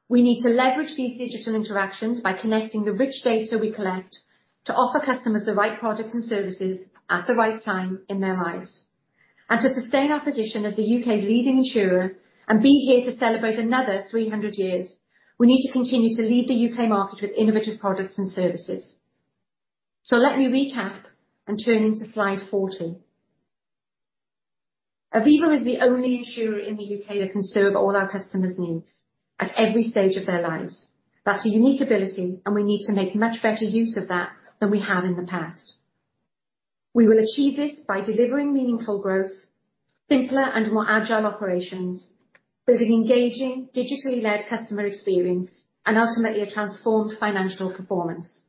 We need to leverage these digital interactions by connecting the rich data we collect to offer customers the right products and services at the right time in their lives To sustain our position as the U.K.'s leading insurer, and be here to celebrate another 300 years, we need to continue to lead the U.K. market with innovative products and services. So let me recap and turn to slide 14. Aviva is the only insurer in the U.K. that can serve all our customers' needs at every stage of their lives. That's a unique ability, and we need to make much better use of that than we have in the past. We will achieve this by delivering meaningful growth, simpler and more agile operations, building engaging, digitally-led customer experience, and ultimately, a transformed financial performance.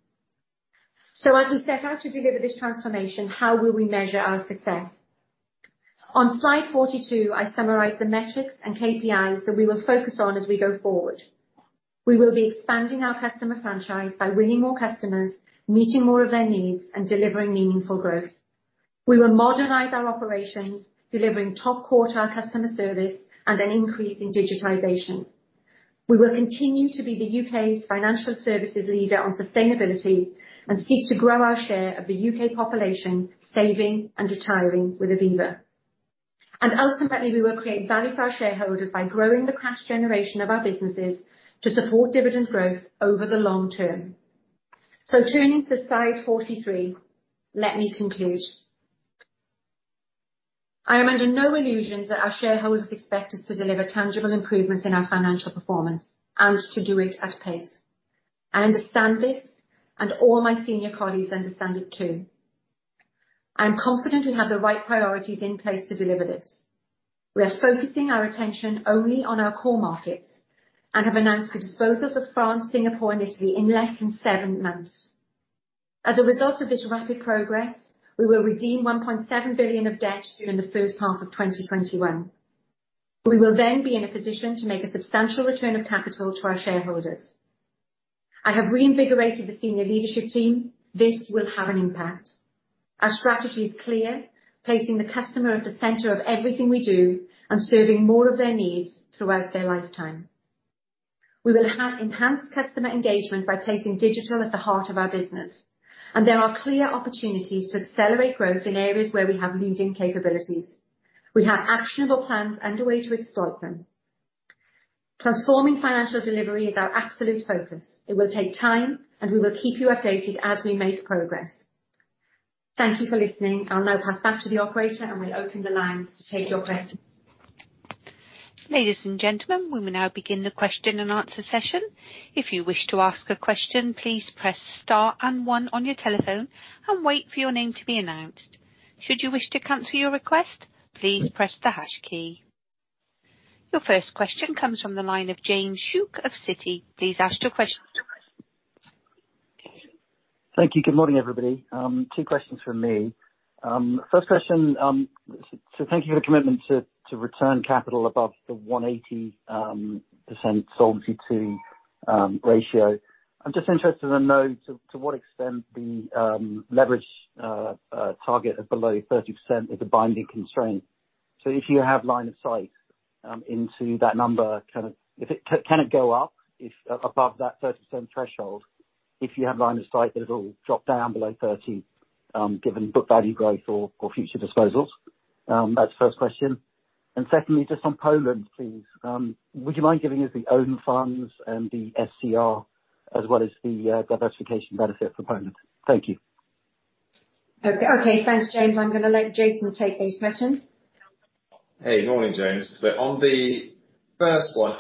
So as we set out to deliver this transformation, how will we measure our success? On slide 42, I summarize the metrics and KPIs that we will focus on as we go forward. We will be expanding our customer franchise by winning more customers, meeting more of their needs, and delivering meaningful growth. We will modernize our operations, delivering top quartile customer service and an increase in digitization. We will continue to be the U.K.'s financial services leader on sustainability, and seek to grow our share of the U.K. population, saving and retiring with Aviva. And ultimately, we will create value for our shareholders by growing the cash generation of our businesses to support dividend growth over the long term. So turning to slide 43, let me conclude. I am under no illusions that our shareholders expect us to deliver tangible improvements in our financial performance, and to do it at pace. I understand this, and all my senior colleagues understand it, too. I'm confident we have the right priorities in place to deliver this. We are focusing our attention only on our core markets, and have announced the disposals of France, Singapore, and Italy in less than 7 months. As a result of this rapid progress, we will redeem 1.7 billion of debt during the first half of 2021. We will then be in a position to make a substantial return of capital to our shareholders. I have reinvigorated the senior leadership team. This will have an impact. Our strategy is clear, placing the customer at the center of everything we do, and serving more of their needs throughout their lifetime. We will enhance customer engagement by placing digital at the heart of our business, and there are clear opportunities to accelerate growth in areas where we have leading capabilities. We have actionable plans and a way to exploit them. Transforming financial delivery is our absolute focus. It will take time, and we will keep you updated as we make progress. Thank you for listening. I'll now pass back to the operator, and we open the lines to take your questions. Ladies and gentlemen, we will now begin the question and answer session. If you wish to ask a question, please press star and one on your telephone and wait for your name to be announced. Should you wish to cancel your request, please press the hash key. Your first question comes from the line of James Shuck of Citi. Please ask your question. Thank you. Good morning, everybody. Two questions from me. First question, so thank you for your commitment to return capital above the 180% Solvency II ratio. I'm just interested to know to what extent the leverage target of below 30% is a binding constraint. So if you have line of sight into that number, kind of, if it can go up above that 30% threshold, if you have line of sight that it'll drop down below 30 given book value growth or future disposals? That's the first question. And secondly, just on Poland, please, would you mind giving us the own funds and the SCR, as well as the diversification benefit for Poland? Thank you. Okay, thanks, James. I'm gonna let Jason take those questions. Hey, morning, James. But on the first one,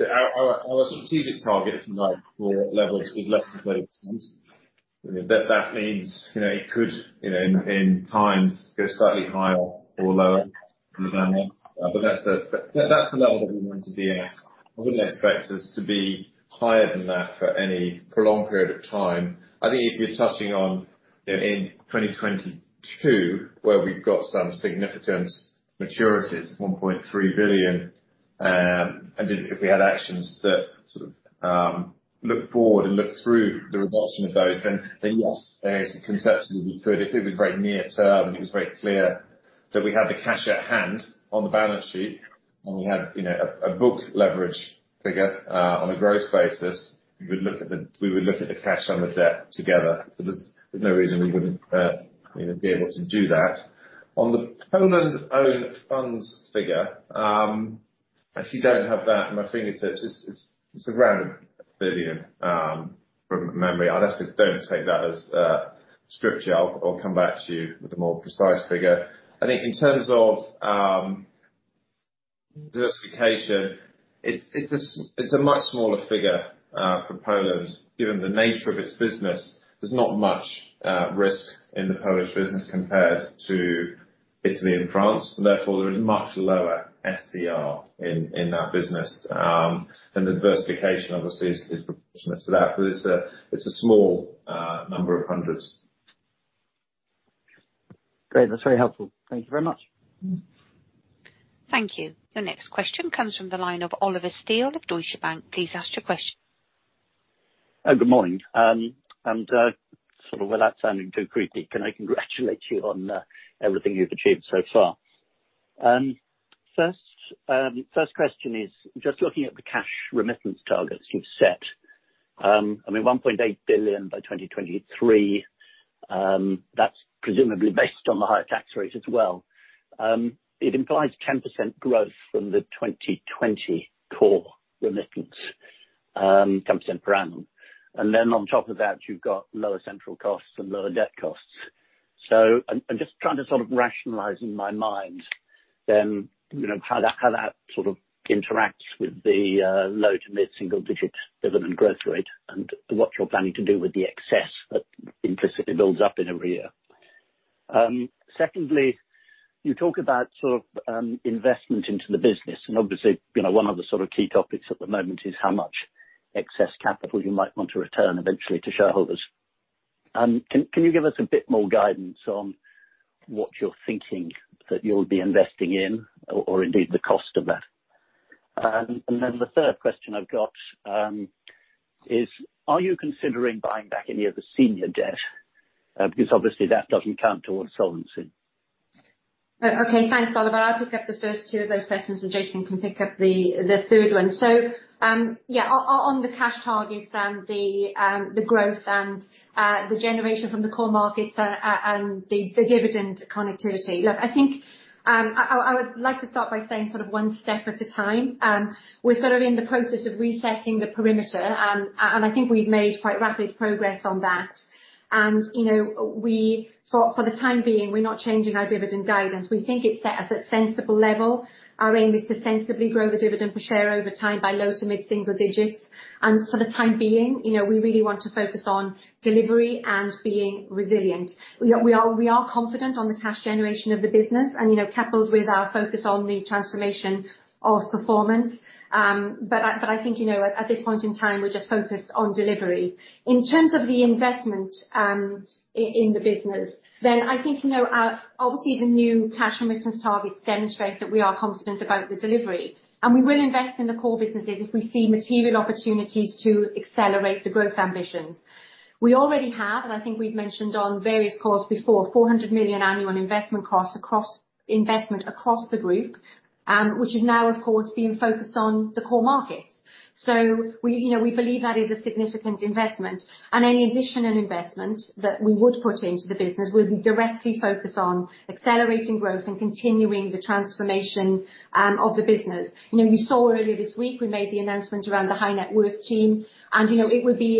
our strategic target for leverage is less than 30%. But that means, you know, it could, you know, in times, go slightly higher or lower than that. But that's the level that we want to be at. I wouldn't expect us to be higher than that for any prolonged period of time. I think if you're touching on, you know, in 2022, where we've got some significant maturities, 1.3 billion, and if we had actions that sort of look forward and look through the redemption of those, then yes, there is conceptually, we could. If it was very near term, and it was very clear that we had the cash at hand on the balance sheet, and we had, you know, a book leverage figure on a gross basis, we would look at the cash and the debt together. So there's no reason we wouldn't, you know, be able to do that. On the Poland own funds figure, I actually don't have that at my fingertips. It's around 1 billion from memory. I'd actually don't take that as scripture. I'll come back to you with a more precise figure. I think in terms of diversification, it's a much smaller figure for Poland, given the nature of its business. There's not much risk in the Polish business compared to-... Italy and France, therefore, there is much lower SCR in that business. And the diversification, obviously, is proportionate to that, but it's a small number of hundreds. Great. That's very helpful. Thank you very much. Thank you. The next question comes from the line of Oliver Steel of Deutsche Bank. Please ask your question. Oh, good morning, and, sort of withot sounding too creepy, can I congratulate you on, everything you've achieved so far? First, first question is, just looking at the cash remittance targets you've set, I mean, 1.8 billion by 2023, that's presumably based on the higher tax rates as well. It implies 10% growth from the 2020 core remittance, 10% per annum. And then on top of that, you've got lower central costs and lower debt costs. So I'm, I'm just trying to sort of rationalize in my mind, you know, how that, how that sort of interacts with the, low to mid-single digit dividend growth rate, and what you're planning to do with the excess that implicitly builds up in every year. Secondly, you talk about sort of investment into the business, and obviously, you know, one of the sort of key topics at the moment is how much excess capital you might want to return eventually to shareholders. Can you give us a bit more guidance on what you're thinking that you'll be investing in, or indeed, the cost of that? And then the third question I've got is, are you considering buying back any of the senior debt? Because obviously, that doesn't count towards solvency. Okay. Thanks, Oliver. I'll pick up the first two of those questions, and Jason can pick up the third one. So, yeah, on the cash targets and the growth and the generation from the core markets, and the dividend connectivity, look, I think I would like to start by saying sort of one step at a time. We're sort of in the process of resetting the perimeter, and I think we've made quite rapid progress on that. And, you know, for the time being, we're not changing our dividend guidance. We think it's set us at sensible level. Our aim is to sensibly grow the dividend per share over time by low to mid-single digits, and for the time being, you know, we really want to focus on delivery and being resilient. We are, we are confident on the cash generation of the business, and, you know, coupled with our focus on the transformation of performance, but I, but I think, you know, at, at this point in time, we're just focused on delivery. In terms of the investment, in the business, then I think, you know, obviously, the new cash remittance targets demonstrate that we are confident about the delivery, and we will invest in the core businesses if we see material opportunities to accelerate the growth ambitions. We already have, and I think we've mentioned on various calls before, 400 million annual investment costs across investment, across the group, which is now, of course, being focused on the core markets. So we, you know, we believe that is a significant investment, and any additional investment that we would put into the business will be directly focused on accelerating growth and continuing the transformation of the business. You know, you saw earlier this week, we made the announcement around the high net worth team, and, you know, it would be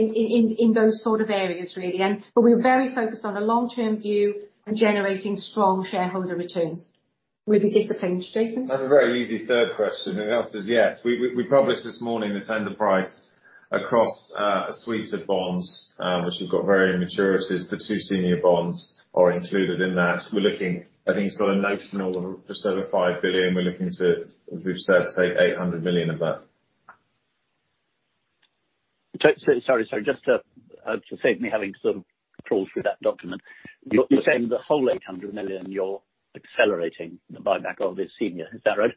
in those sort of areas, really. But we're very focused on a long-term view and generating strong shareholder returns. With the disclaimer, Jason? That's a very easy third question. The answer is yes. We published this morning the tender price across a suite of bonds, which have got varying maturities. The two senior bonds are included in that. We're looking – I think it's got a notional just over 5 billion. We're looking to, as we've said, take 800 million of that. So sorry, just to save me having to sort of trawl through that document, you're saying the whole 800 million you're accelerating the buyback of is senior, is that right?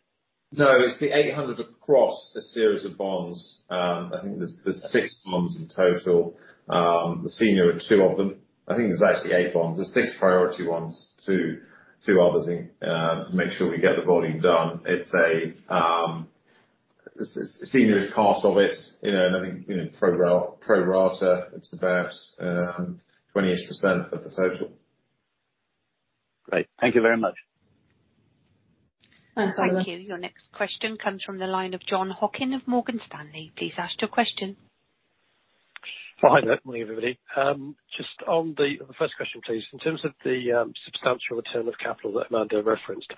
No, it's the 800 across a series of bonds. I think there's 6 bonds in total. The senior are 2 of them. I think there's actually 8 bonds. There's 6 priority ones, 2, 2 others in to make sure we get the volume done. It's senior is part of it, you know, and I think, you know, pro rata, it's about 20-ish% of the total. Great. Thank you very much. Thanks, Oliver. Thank you. Your next question comes from the line of Jon Hocking of Morgan Stanley. Please ask your question. Oh, hi there. Morning, everybody. Just on the first question, please, in terms of the substantial return of capital that Amanda referenced,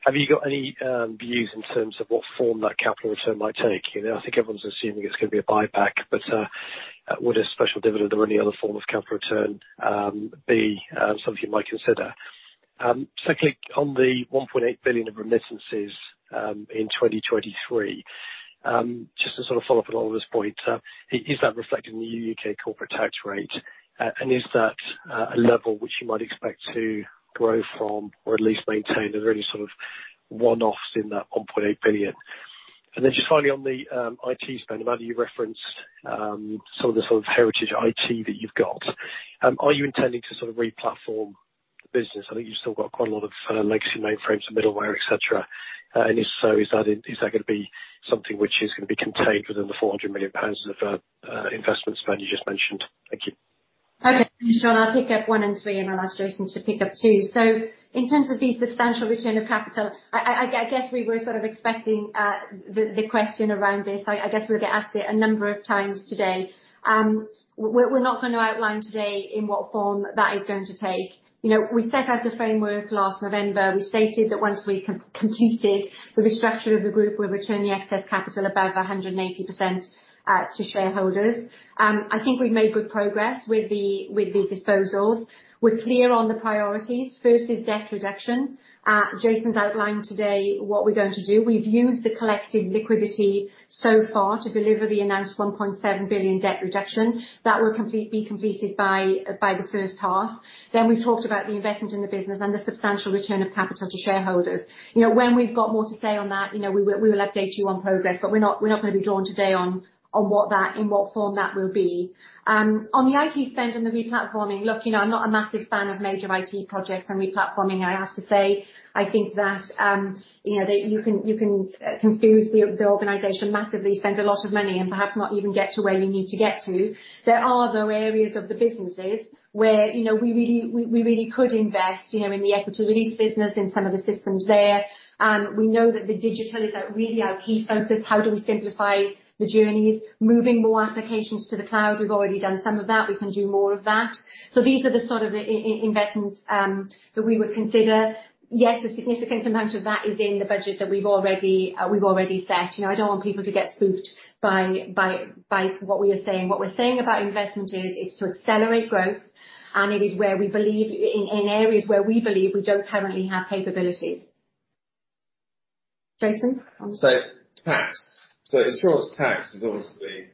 have you got any views in terms of what form that capital return might take? You know, I think everyone's assuming it's gonna be a buyback, but would a special dividend or any other form of capital return be something you might consider? Secondly, on the 1.8 billion of remittances in 2023, just to sort of follow up on Oliver's point, is that reflected in the new U.K. corporate tax rate, and is that a level which you might expect to grow from or at least maintain? Are there any sort of one-offs in that 1.8 billion? And then just finally, on the IT spend, Amanda, you referenced some of the sort of heritage IT that you've got. Are you intending to sort of re-platform the business? I think you've still got quite a lot of legacy mainframes and middleware, et cetera. And if so, is that gonna be something which is gonna be contained within the 400 million pounds of investment spend you just mentioned? Thank you.... Okay, thanks, Jon. I'll pick up one and three, and then Jason to pick up two. So in terms of the substantial return of capital, I guess we were sort of expecting the question around this. I guess we'll get asked it a number of times today. We're not going to outline today in what form that is going to take. You know, we set out the framework last November. We stated that once we completed the restructure of the group, we'd return the excess capital above 180% to shareholders. I think we've made good progress with the disposals. We're clear on the priorities. First is debt reduction. Jason's outlined today what we're going to do. We've used the collected liquidity so far to deliver the announced 1.7 billion debt reduction. That will be completed by the first half. Then we talked about the investment in the business and the substantial return of capital to shareholders. You know, when we've got more to say on that, you know, we will, we will update you on progress, but we're not, we're not gonna be drawn today on, on what that in what form that will be. On the IT spend and the re-platforming, look, you know, I'm not a massive fan of major IT projects and re-platforming, I have to say. I think that, you know, that you can, you can, confuse the organization massively, spend a lot of money, and perhaps not even get to where you need to get to. There are, though, areas of the businesses where, you know, we really could invest, you know, in the equity release business, in some of the systems there. We know that the digital is really our key focus. How do we simplify the journeys? Moving more applications to the cloud, we've already done some of that. We can do more of that. So these are the sort of investments that we would consider. Yes, a significant amount of that is in the budget that we've already set. You know, I don't want people to get spooked by what we are saying. What we're saying about investment is, it's to accelerate growth, and it is where we believe in areas where we believe we don't currently have capabilities. Jason? So tax. So insurance tax is obviously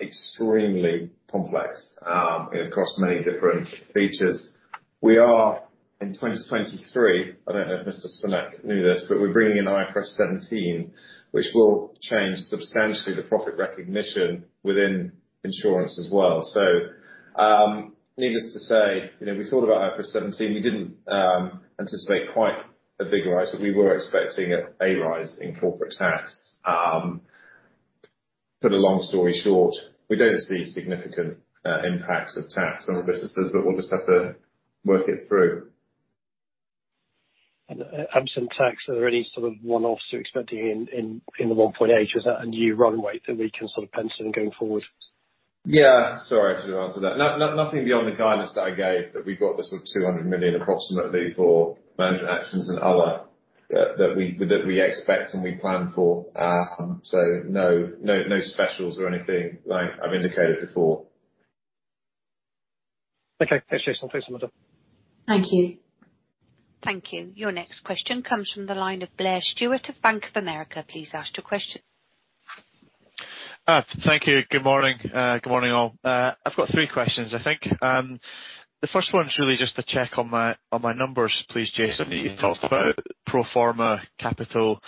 extremely complex across many different features. We are, in 2023, I don't know if Mr. Sunak knew this, but we're bringing in IFRS 17, which will change substantially the profit recognition within insurance as well. So, needless to say, you know, we thought about IFRS 17, we didn't anticipate quite a big rise, but we were expecting a rise in corporate tax. Put a long story short, we don't see significant impacts of tax on the businesses, but we'll just have to work it through. Absent tax, are there any sort of one-offs you're expecting in the 1.8? Is that a new runway that we can sort of pencil in going forward? Yeah, sorry to answer that. Nothing beyond the guidance that I gave, that we've got the sort of 200 million approximately for management actions and other, that we, that we expect and we plan for. So no, no, no specials or anything, like I've indicated before. Okay. Thanks, Jason. Thanks, Amanda. Thank you. Thank you. Your next question comes from the line of Blair Stewart of Bank of America. Please ask your question. Thank you. Good morning. Good morning, all. I've got three questions, I think. The first one's really just to check on my, on my numbers, please, Jason. You talked about pro forma capital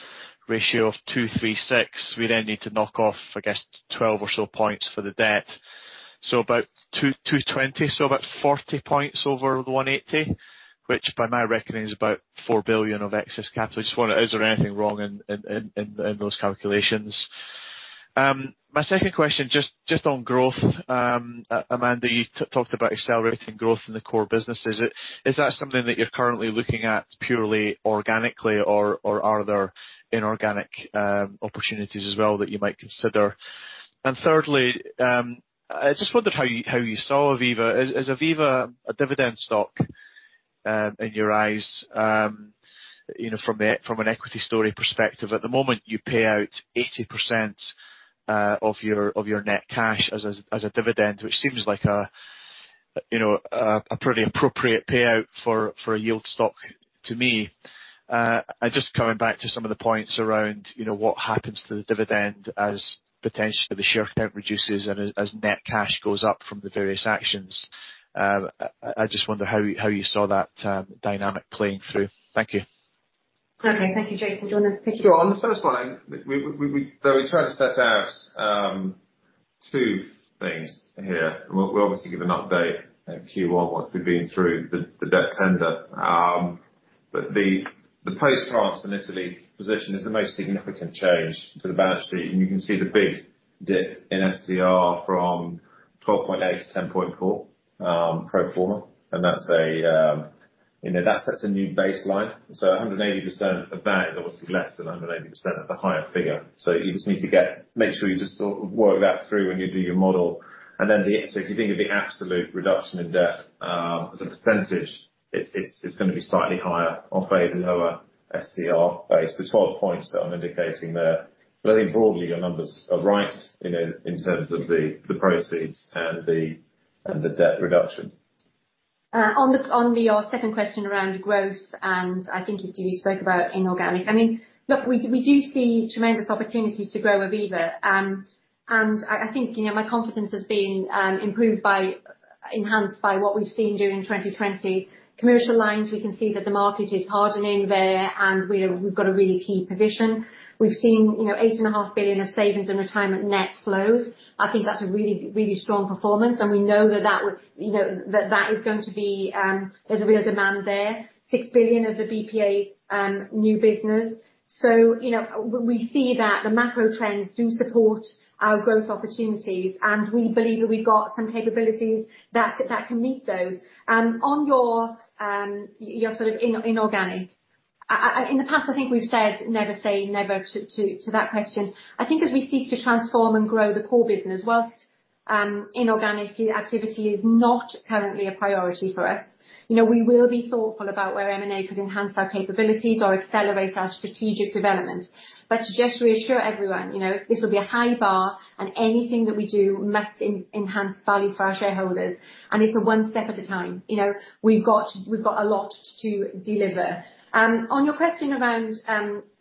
ratio of 236. We then need to knock off, I guess, 12 or so points for the debt. So about 220, so about 40 points over the 180, which by my reckoning is about 4 billion of excess capital. I just wonder, is there anything wrong in those calculations? My second question, just on growth, Amanda, you talked about accelerating growth in the core business. Is it, is that something that you're currently looking at purely organically, or are there inorganic opportunities as well that you might consider? And thirdly, I just wondered how you, how you saw Aviva. Is, is Aviva a dividend stock, in your eyes, you know, from an equity story perspective? At the moment, you pay out 80% of your net cash as a dividend, which seems like a, you know, a pretty appropriate payout for a yield stock to me. And just coming back to some of the points around, you know, what happens to the dividend as potentially the share count reduces and as net cash goes up from the various actions. I just wonder how you saw that dynamic playing through. Thank you. Okay, thank you, Jason. Do you want to take it? Sure. On the first one, so we tried to set out two things here. We'll obviously give an update in Q1, once we've been through the debt tender. But the post-tax and Italy position is the most significant change to the balance sheet, and you can see the big dip in SCR from 12.8-10.4 pro forma. And that's, you know, that sets a new baseline. So 180% of that is obviously less than 180% of the higher figure. So you just need to make sure you just sort of work that through when you do your model. So if you think of the absolute reduction in debt as a percentage, it's gonna be slightly higher off a lower SCR base, the 12 points that I'm indicating there. But I think broadly, your numbers are right, you know, in terms of the proceeds and the debt reduction. On your second question around growth, and I think you spoke about inorganic. I mean, look, we do see tremendous opportunities to grow Aviva. I think, you know, my confidence has been improved by, enhanced by what we've seen during 2020. Commercial lines, we can see that the market is hardening there, and we've got a really key position. We've seen, you know, 8.5 billion of savings and retirement net flows. I think that's a really, really strong performance, and we know that that would, you know, that, that is going to be, there's a real demand there. 6 billion of the BPA new business. So, you know, we see that the macro trends do support our growth opportunities, and we believe that we've got some capabilities that can meet those. On your, your sort of inorganic... In the past, I think we've said, "Never say never," to that question. I think as we seek to transform and grow the core business, whilst inorganic activity is not currently a priority for us, you know, we will be thoughtful about where M&A could enhance our capabilities or accelerate our strategic development. But to just reassure everyone, you know, this will be a high bar, and anything that we do must enhance value for our shareholders, and it's a one step at a time. You know, we've got, we've got a lot to deliver. On your question around,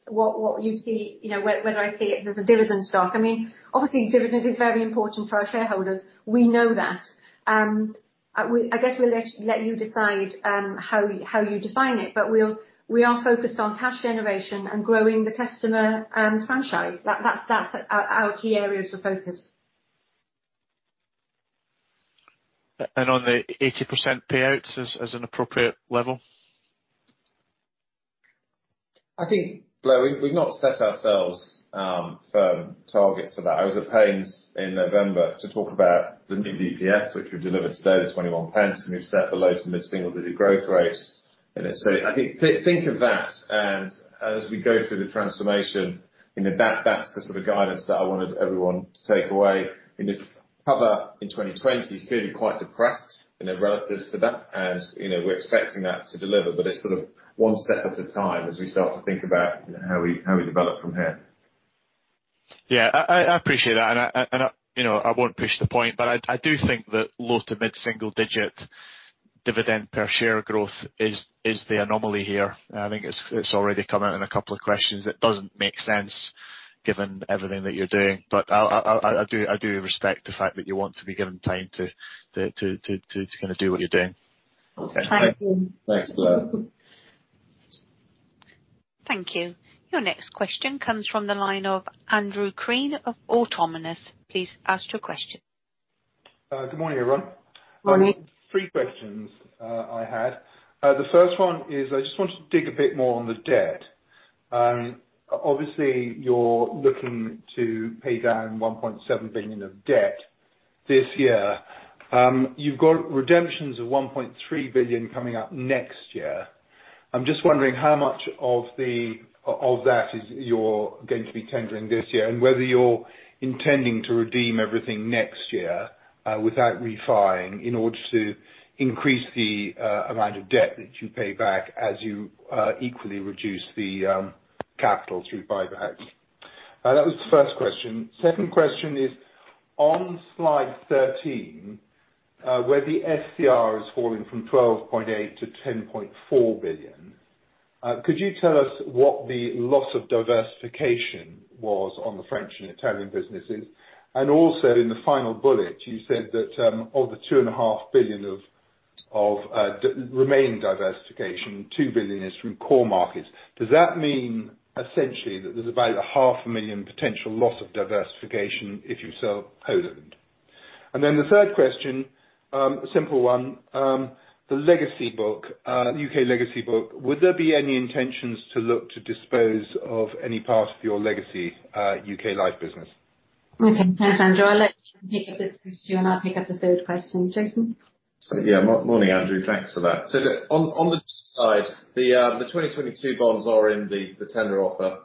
what you see, you know, whether I see it as a dividend stock, I mean, obviously, dividend is very important for our shareholders. We know that. I guess we'll let you decide how you define it, but we are focused on cash generation and growing the customer franchise. That's our key areas of focus. On the 80% payouts as an appropriate level? I think, Blair, we've not set ourselves firm targets for that. I was at pains in November to talk about the new DPS, which we've delivered today, the 0.21, and we've set the low to mid-single digit growth rate. So I think, think of that as, as we go through the transformation, you know, that, that's the sort of guidance that I wanted everyone to take away. Earnings coverage in 2020 is clearly quite depressed, you know, relative to that, and, you know, we're expecting that to deliver, but it's sort of one step at a time as we start to think about how we, how we develop from here. Yeah, I appreciate that, and, you know, I won't push the point, but I do think that low- to mid-single-digit dividend per share growth is the anomaly here. And I think it's already come out in a couple of questions. It doesn't make sense given everything that you're doing. But I do respect the fact that you want to be given time to kind of do what you're doing. Thank you. Thanks, Blair. Thank you. Your next question comes from the line of Andrew Crean of Autonomous. Please ask your question. Good morning, everyone. Morning. Three questions I had. The first one is, I just wanted to dig a bit more on the debt. Obviously, you're looking to pay down 1.7 billion of debt this year. You've got redemptions of 1.3 billion coming up next year. I'm just wondering how much of that is you're going to be tendering this year, and whether you're intending to redeem everything next year, without refinancing, in order to increase the amount of debt that you pay back as you equally reduce the capital through buybacks. That was the first question. Second question is, on slide 13, where the SCR is falling from 12.8 billion-10.4 billion, could you tell us what the loss of diversification was on the French and Italian businesses? And also, in the final bullet, you said that, of the 2.5 billion of remaining diversification, 2 billion is from core markets. Does that mean essentially that there's about a 500,000 potential loss of diversification if you sell Poland? And then the third question, a simple one, the legacy book, U.K. legacy book, would there be any intentions to look to dispose of any part of your legacy, U.K. Life business? Okay, thanks, Andrew. I'll let Jason pick up this question, and I'll pick up the third question. Jason? So, yeah, morning, Andrew. Thanks for that. So, on the side, the 2022 bonds are in the tender offer.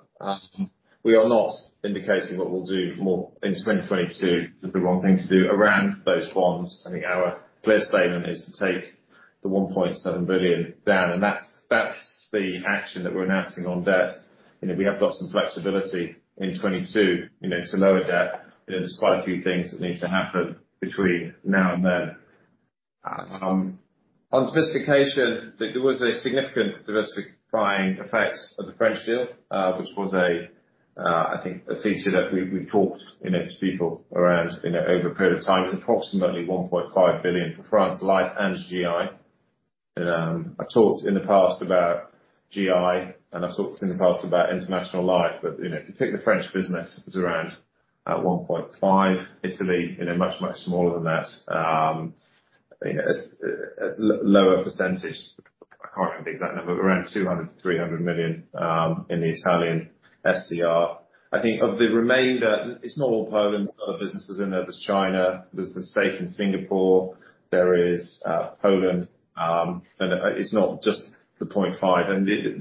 We are not indicating what we'll do more in 2022. It's the wrong thing to do around those bonds. I think our clear statement is to take the 1.7 billion down, and that's the action that we're announcing on debt. You know, we have got some flexibility in 2022, you know, to lower debt. You know, there's quite a few things that need to happen between now and then. On diversification, there was a significant diversifying effect of the French deal, which was a, I think, a feature that we, we've talked, you know, to people around, you know, over a period of time, approximately 1.5 billion for France Life and GI. I talked in the past about GI, and I've talked in the past about International Life, but, you know, if you take the French business, it's around 1.5 billion. Italy, you know, much, much smaller than that. You know, lower percentage. I can't remember the exact number, around 200-300 million in the Italian SCR. I think of the remainder, it's not all Poland. Other businesses in there, there's China, there's the stake in Singapore, there is Poland, and it's not just the 0.5 billion.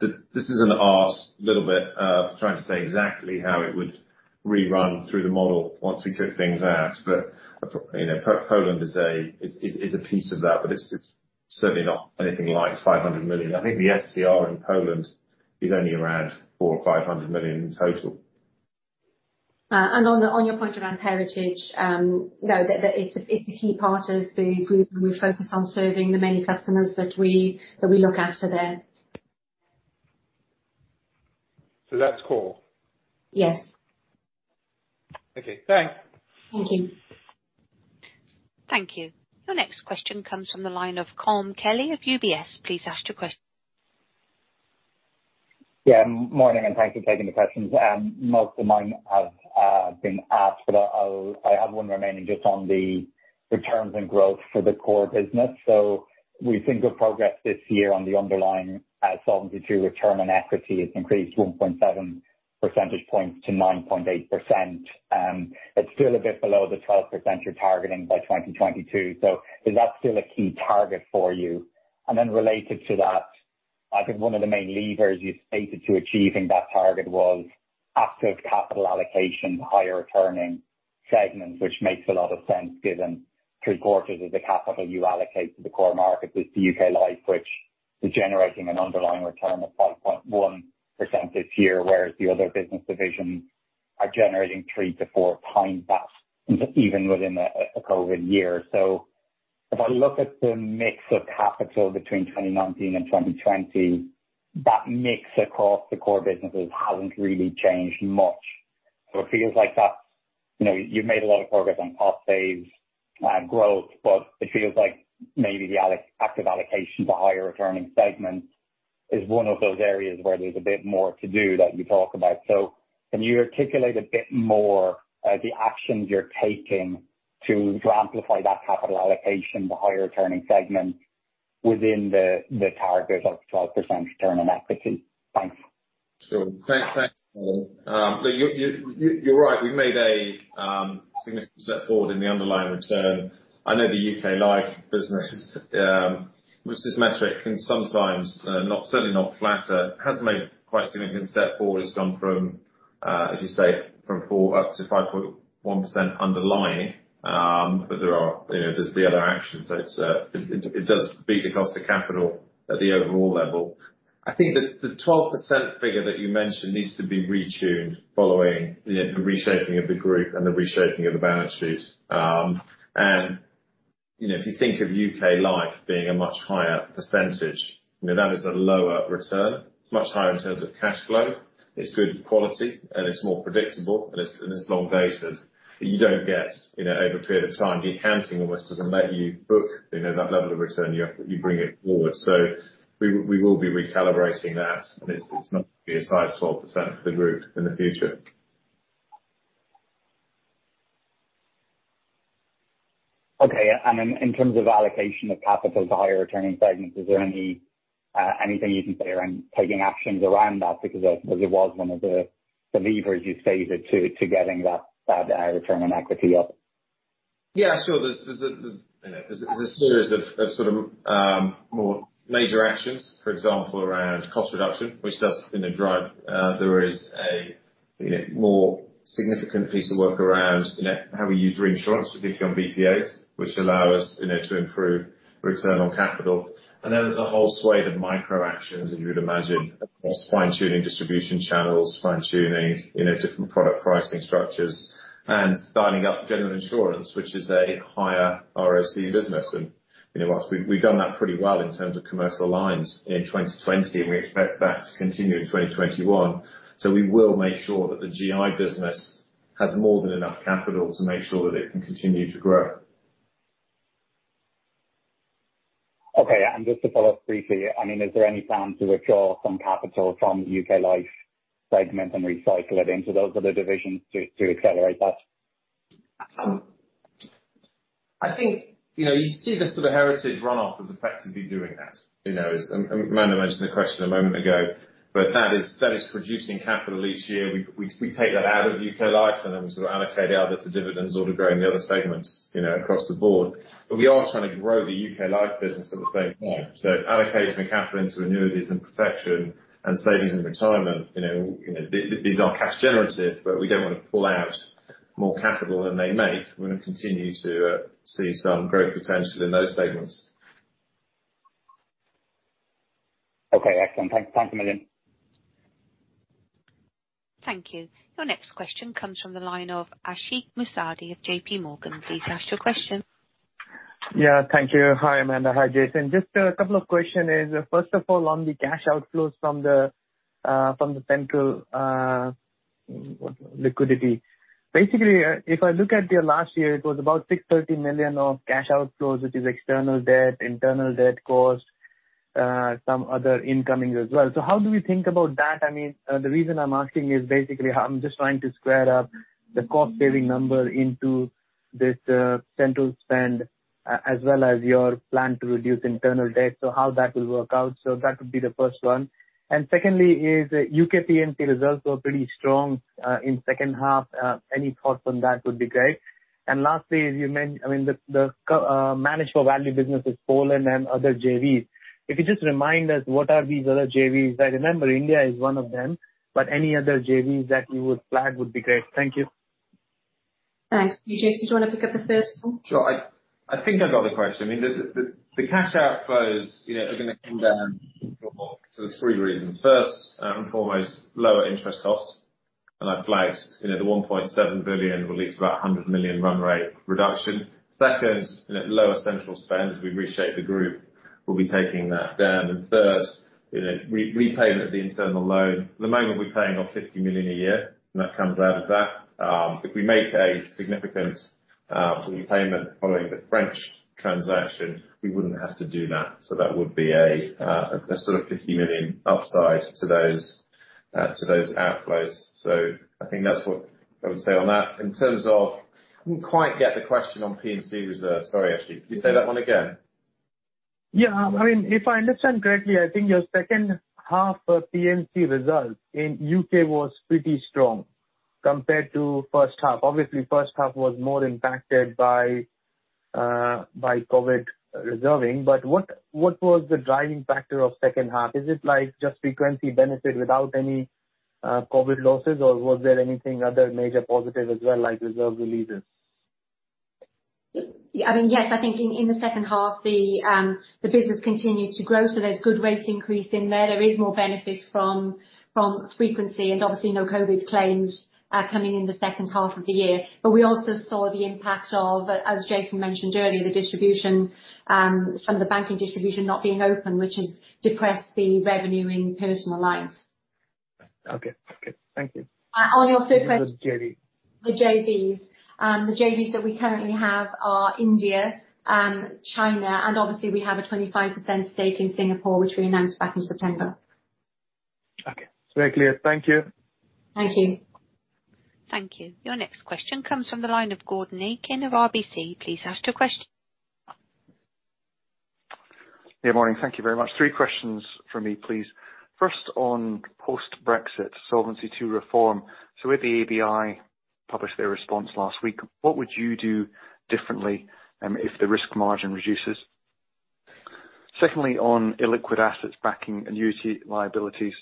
The-- this is a little bit of trying to say exactly how it would rerun through the model once we took things out. You know, Poland is a piece of that, but it's certainly not anything like 500 million. I think the SCR in Poland is only around 400 or 500 million in total. On your point around Heritage, no, that... It's a key part of the group, and we're focused on serving the many customers that we look after there So that's core? Yes. Okay, thanks! Thank you. Thank you. Your next question comes from the line of Colm Kelly of UBS. Please ask your question. Yeah, morning, and thanks for taking the questions. Most of mine have been asked, but I have one remaining, just on the returns and growth for the core business. So we've seen good progress this year on the underlying Solvency II return on equity. It's increased 1.7 percentage points to 9.8%. It's still a bit below the 12% you're targeting by 2022, so is that still a key target for you? And then related to that- ... I think one of the main levers you've stated to achieving that target was active capital allocation, higher returning segments, which makes a lot of sense given three quarters of the capital you allocate to the core market is the U.K. Life, which is generating an underlying return of 5.1% this year, whereas the other business divisions are generating 3-4 times that, even within a COVID year. So if I look at the mix of capital between 2019 and 2020, that mix across the core businesses hasn't really changed much. So it feels like that's, you know, you've made a lot of progress on cost saves and growth, but it feels like maybe the active allocation to higher returning segments is one of those areas where there's a bit more to do, that you talk about. Can you articulate a bit more, the actions you're taking to amplify that capital allocation to higher returning segments within the, the target of 12% return on equity? Thanks. Sure. Thanks, look, you're right, we've made a significant step forward in the underlying return. I know the U.K. Life business, which this metric can sometimes certainly not flatter, has made quite a significant step forward. It's gone from, as you say, from 4 up to 5.1% underlying. But there are, you know, there's the other actions, so it does beat the cost of capital at the overall level. I think the 12% figure that you mentioned needs to be retuned following the reshaping of the group and the reshaping of the balance sheet. And, you know, if you think of U.K. Life being a much higher percentage, you know, that is a lower return, much higher in terms of cash flow. It's good quality, and it's more predictable, and it's long dated. You don't get, you know, over a period of time, the accounting almost doesn't let you book, you know, that level of return, you have to, you bring it forward. So we will be recalibrating that, and it's not going to be a size 12% for the group in the future. Okay. And then in terms of allocation of capital to higher returning segments, is there any, anything you can say around taking actions around that? Because that, because it was one of the, the levers you stated to, to getting that, return on equity up. Yeah, sure. There's a series of sort of more major actions, for example, around cost reduction, which does, you know, drive. There is a more significant piece of work around how we use reinsurance, particularly on BPAs, which allow us, you know, to improve return on capital. And then there's a whole suite of micro actions, as you would imagine, across fine-tuning distribution channels, fine-tuning, you know, different product pricing structures, and dialing up general insurance, which is a higher ROC business. And, you know, we've done that pretty well in terms of commercial lines in 2020, and we expect that to continue in 2021. So we will make sure that the GI business has more than enough capital to make sure that it can continue to grow. Okay. And just to follow up briefly, I mean, is there any plan to withdraw some capital from the U.K. Life segment and recycle it into those other divisions to, to accelerate that? I think, you know, you see the sort of heritage runoff as effectively doing that, you know. It's... Amanda mentioned the question a moment ago, but that is producing capital each year. We take that out of U.K. Life, and then we sort of allocate it out as the dividends or to growing the other segments, you know, across the board. But we are trying to grow the U.K. Life business at the same time. So allocating the capital into annuities and protection and savings and retirement, you know, these are cash generative, but we don't want to pull out more capital than they make. We're going to continue to see some growth potential in those segments. Okay, excellent. Thanks a million. Thank you. Your next question comes from the line of Ashik Musaddi of JPMorgan. Please ask your question. Yeah, thank you. Hi, Amanda. Hi, Jason. Just a couple of questions is, first of all, on the cash outflows from the central liquidity. Basically, if I look at your last year, it was about 630 million of cash outflows, which is external debt, internal debt costs, some other incoming as well. So how do we think about that? I mean, the reason I'm asking is basically, I'm just trying to square up the cost-saving number into this central spend, as well as your plan to reduce internal debt, so how that will work out? So that would be the first one. And secondly is U.K. P&C results were pretty strong in second half. Any thoughts on that would be great. Lastly, as you mentioned, I mean, the manage for value businesses, Poland and other JVs. If you just remind us, what are these other JVs? I remember India is one of them, but any other JVs that you would flag would be great. Thank you. Thanks. Jason, do you want to pick up the first one? Sure. I think I got the question. I mean, the cash outflows, you know, are gonna come down for sort of three reasons. First and foremost, lower interest costs, and I flagged, you know, the 1.7 billion relates to about a 100 million run rate reduction. Second, you know, lower central spend as we reshape the group, we'll be taking that down. And third, you know, repayment of the internal loan. At the moment, we're paying off 50 million a year, and that comes out of that. If we make a significant repayment following the French transaction, we wouldn't have to do that. So that would be a sort of 50 million upside to those outflows. So I think that's what I would say on that. In terms of... I didn't quite get the question on P&C reserves. Sorry, Ashik. Could you say that one again? Yeah. I mean, if I understand correctly, I think your second half, P&C results in U.K. was pretty strong compared to first half. Obviously, first half was more impacted by-... by COVID reserving, but what, what was the driving factor of second half? Is it like just frequency benefit without any, COVID losses, or was there anything other major positive as well, like reserve releases? I mean, yes, I think in the second half, the business continued to grow, so there's good rate increase in there. There is more benefit from frequency, and obviously, no COVID claims are coming in the second half of the year. But we also saw the impact of, as Jason mentioned earlier, the distribution, some of the banking distribution not being open, which has depressed the revenue in personal lines. Okay. Okay. Thank you. On your second question- The JVs. The JVs. The JVs that we currently have are India, China, and obviously, we have a 25% stake in Singapore, which we announced back in September. Okay. Very clear. Thank you. Thank you. Thank you. Your next question comes from the line of Gordon Aitken of RBC. Please ask your question. Good morning. Thank you very much. Three questions from me, please. First, on post-Brexit Solvency II reform. So with the ABI published their response last week, what would you do differently if the risk margin reduces? Secondly, on illiquid assets backing annuity liabilities,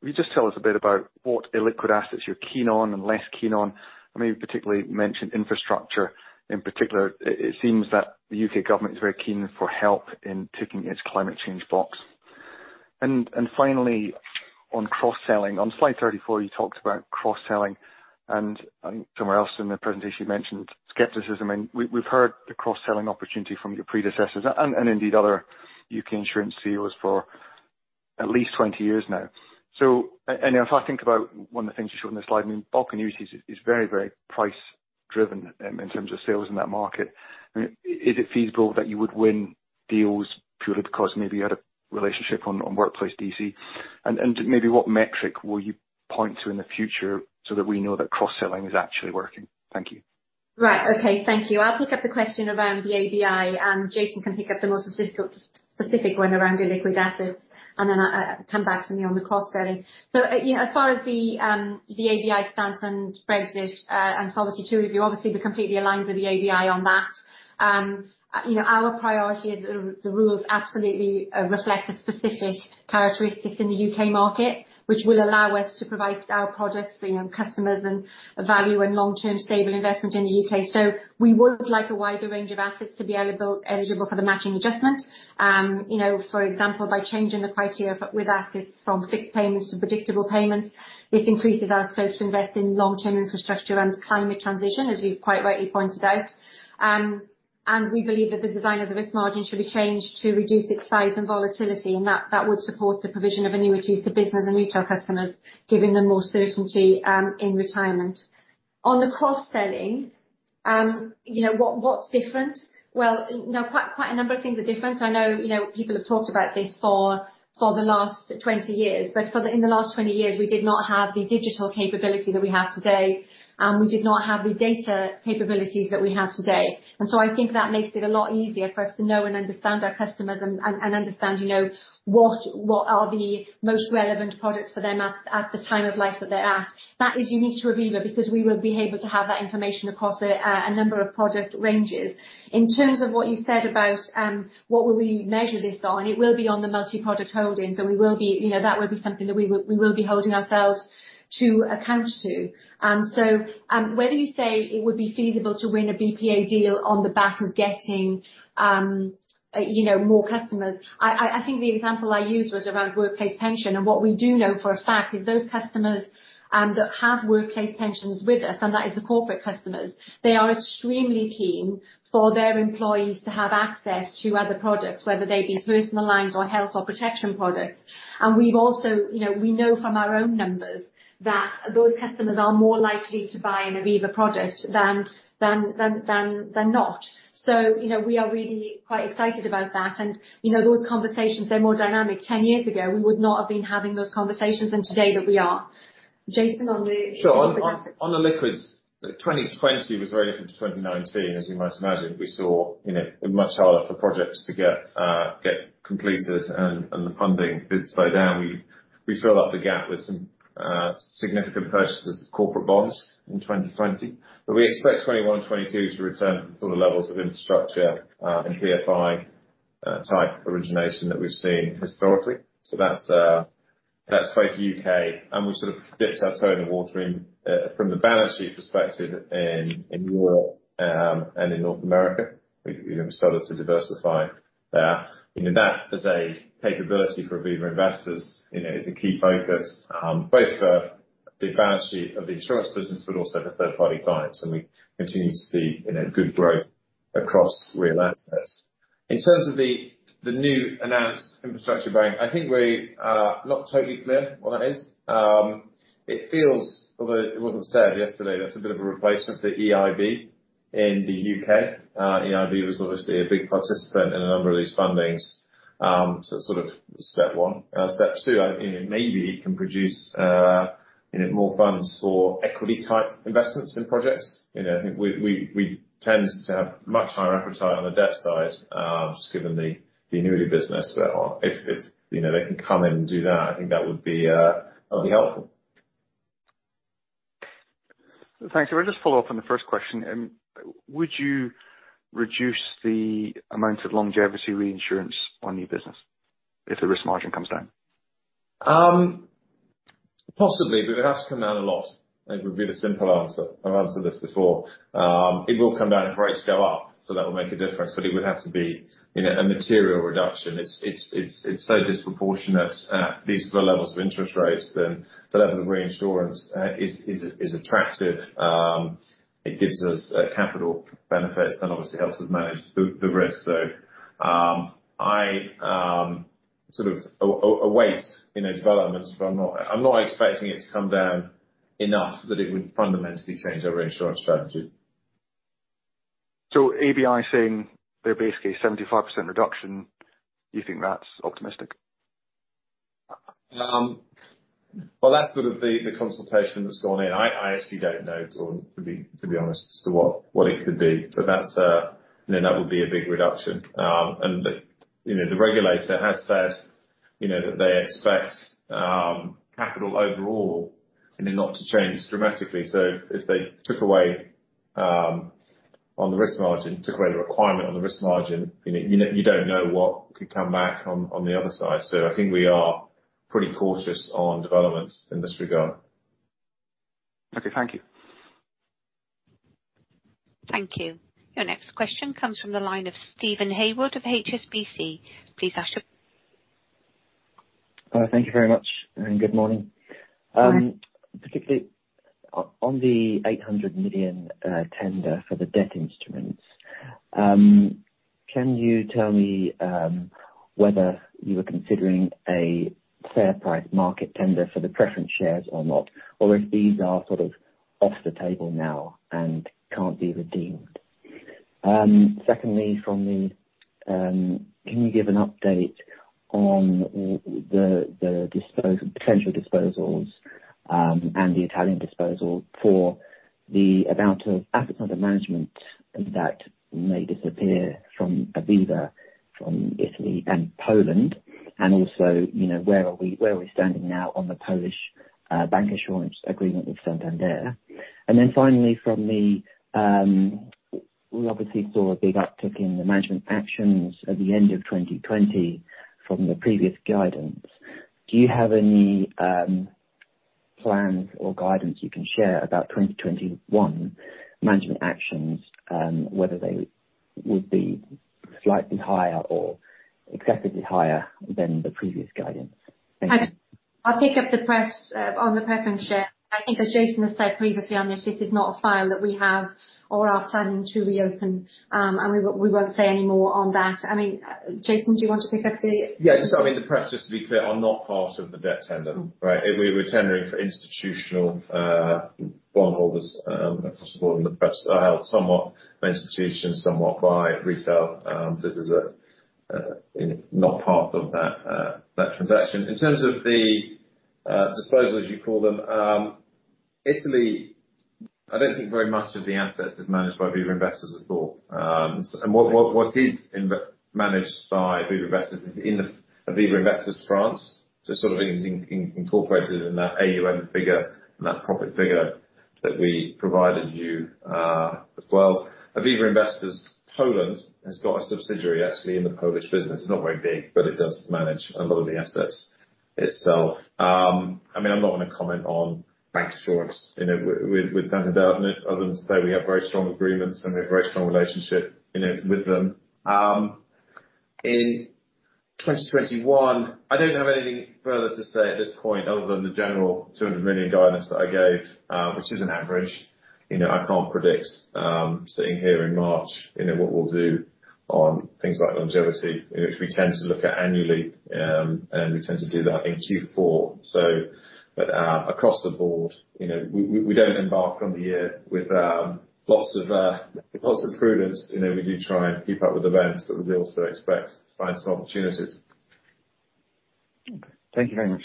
will you just tell us a bit about what illiquid assets you're keen on and less keen on? I mean, you particularly mentioned infrastructure. In particular, it seems that the U.K. government is very keen for help in ticking its climate change box. And finally, on cross-selling. On slide 34, you talked about cross-selling, and I think somewhere else in the presentation, you mentioned skepticism, and we've heard the cross-selling opportunity from your predecessors and indeed other U.K. insurance CEOs for at least 20 years now. And if I think about one of the things you showed on the slide, I mean, bulk annuities is very, very price driven in terms of sales in that market. I mean, is it feasible that you would win deals purely because maybe you had a relationship on workplace DC? And maybe what metric will you point to in the future so that we know that cross-selling is actually working? Thank you. Right. Okay, thank you. I'll pick up the question around the ABI, and Jason can pick up the more specific, specific one around illiquid assets, and then come back to me on the cross-selling. So, yeah, as far as the ABI stance on Brexit, and Solvency II review, obviously, we're completely aligned with the ABI on that. You know, our priority is the rules absolutely reflect the specific characteristics in the U.K. market, which will allow us to provide our products to, you know, customers and value and long-term stable investment in the U.K. So we would like a wider range of assets to be eligible, eligible for the matching adjustment. You know, for example, by changing the criteria with assets from fixed payments to predictable payments, this increases our scope to invest in long-term infrastructure and climate transition, as you've quite rightly pointed out. We believe that the design of the risk margin should be changed to reduce its size and volatility, and that would support the provision of annuities to business and retail customers, giving them more certainty in retirement. On the cross-selling, you know, what's different? Well, you know, quite a number of things are different. I know, you know, people have talked about this for the last 20 years, but in the last 20 years, we did not have the digital capability that we have today, and we did not have the data capabilities that we have today. So I think that makes it a lot easier for us to know and understand our customers and understand, you know, what are the most relevant products for them at the time of life that they're at. That is unique to Aviva, because we will be able to have that information across a number of product ranges. In terms of what you said about what will we measure this on, it will be on the multi-product holdings, so we will be you know, that will be something that we will be holding ourselves to account to. Whether you say it would be feasible to win a BPA deal on the back of getting, you know, more customers, I think the example I used was around workplace pension, and what we do know for a fact is those customers that have workplace pensions with us, and that is the corporate customers, they are extremely keen for their employees to have access to other products, whether they be personal lines or health or protection products. And we've also... You know, we know from our own numbers that those customers are more likely to buy an Aviva product than not. So, you know, we are really quite excited about that. And, you know, those conversations, they're more dynamic. 10 years ago, we would not have been having those conversations, and today, that we are. Jason, on the- Sure. On the liquids, 2020 was very different to 2019, as you might imagine. We saw, you know, it much harder for projects to get completed, and the funding did slow down. We filled up the gap with some significant purchases of corporate bonds in 2020, but we expect 2021, 2022 to return to the sort of levels of infrastructure and PFI type origination that we've seen historically. So that's both U.K., and we've sort of dipped our toe in the water in, from the balance sheet perspective in Europe and in North America. We, you know, we started to diversify there. You know, that as a capability for Aviva Investors, you know, is a key focus, both for the balance sheet of the insurance business, but also for third-party clients, and we continue to see, you know, good growth across real assets. In terms of the new announced infrastructure bank, I think we are not totally clear what that is. It feels, although it wasn't said yesterday, that's a bit of a replacement for EIB in the U.K.. EIB was obviously a big participant in a number of these fundings, so sort of step one. Step two, you know, maybe can produce, you know, more funds for equity-type investments in projects. You know, I think we tend to have much higher appetite on the debt side, just given the annuity business. But, if you know, they can come in and do that, I think that would be, that'd be helpful.... Thanks. I'll just follow up on the first question. Would you reduce the amount of longevity reinsurance on new business if the risk margin comes down? Possibly, but it has come down a lot, it would be the simple answer. I've answered this before. It will come down if rates go up, so that will make a difference, but it would have to be, you know, a material reduction. It's so disproportionate, these are the levels of interest rates, then the level of reinsurance is attractive. It gives us capital benefits and obviously helps us manage the risk though. I sort of await, you know, developments, but I'm not expecting it to come down enough that it would fundamentally change our reinsurance strategy. ABI saying they're basically 75% reduction, you think that's optimistic? Well, that's sort of the consultation that's gone in. I actually don't know, to be honest, as to what it could be, but that's... You know, that would be a big reduction. And you know, the regulator has said, you know, that they expect capital overall, you know, not to change dramatically. So if they took away on the risk margin, took away the requirement on the risk margin, you know, you don't know what could come back on the other side. So I think we are pretty cautious on developments in this regard. Okay. Thank you. Thank you. Your next question comes from the line of Steven Haywood of HSBC. Please ask your- Thank you very much, and good morning. Good morning. Particularly on the 800 million tender for the debt instruments, can you tell me whether you were considering a fair price market tender for the preference shares or not, or if these are sort of off the table now and can't be redeemed? Secondly, can you give an update on the potential disposals, and the Italian disposal for the amount of assets under management that may disappear from Aviva, from Italy and Poland? And also, you know, where are we standing now on the Polish bancassurance agreement with Santander? And then finally, we obviously saw a big uptick in the management actions at the end of 2020 from the previous guidance. Do you have any plans or guidance you can share about 2021 management actions, whether they would be slightly higher or excessively higher than the previous guidance? Thank you. I, I'll pick up the press on the preference share. I think as Jason has said previously on this, this is not a file that we have or are planning to reopen. And we won't say any more on that. I mean, Jason, do you want to pick up the- Yeah. So I mean, the prefs, just to be clear, are not part of the debt tender, right? We're tendering for institutional bondholders, possibly in the prefs, somewhat institutional, somewhat retail. This is not part of that transaction. In terms of the disposals you call them, Italy, I don't think very much of the assets is managed by Aviva Investors at all. So what is managed by Aviva Investors is in the Aviva Investors France, just sort of is incorporated in that AUM figure and that profit figure that we provided you, as well. Aviva Investors Poland has got a subsidiary actually in the Polish business. It's not very big, but it does manage a lot of the assets itself. I mean, I'm not going to comment on bancassurance, you know, with Santander, other than to say we have very strong agreements, and we have a very strong relationship, you know, with them. In 2021, I don't have anything further to say at this point other than the general 200 million guidance that I gave, which is an average. You know, I can't predict, sitting here in March, you know, what we'll do on things like longevity, which we tend to look at annually, and we tend to do that in Q4, so... But, across the board, you know, we don't embark on the year with lots of prudence. You know, we do try and keep up with events, but we also expect to find some opportunities. Okay. Thank you very much.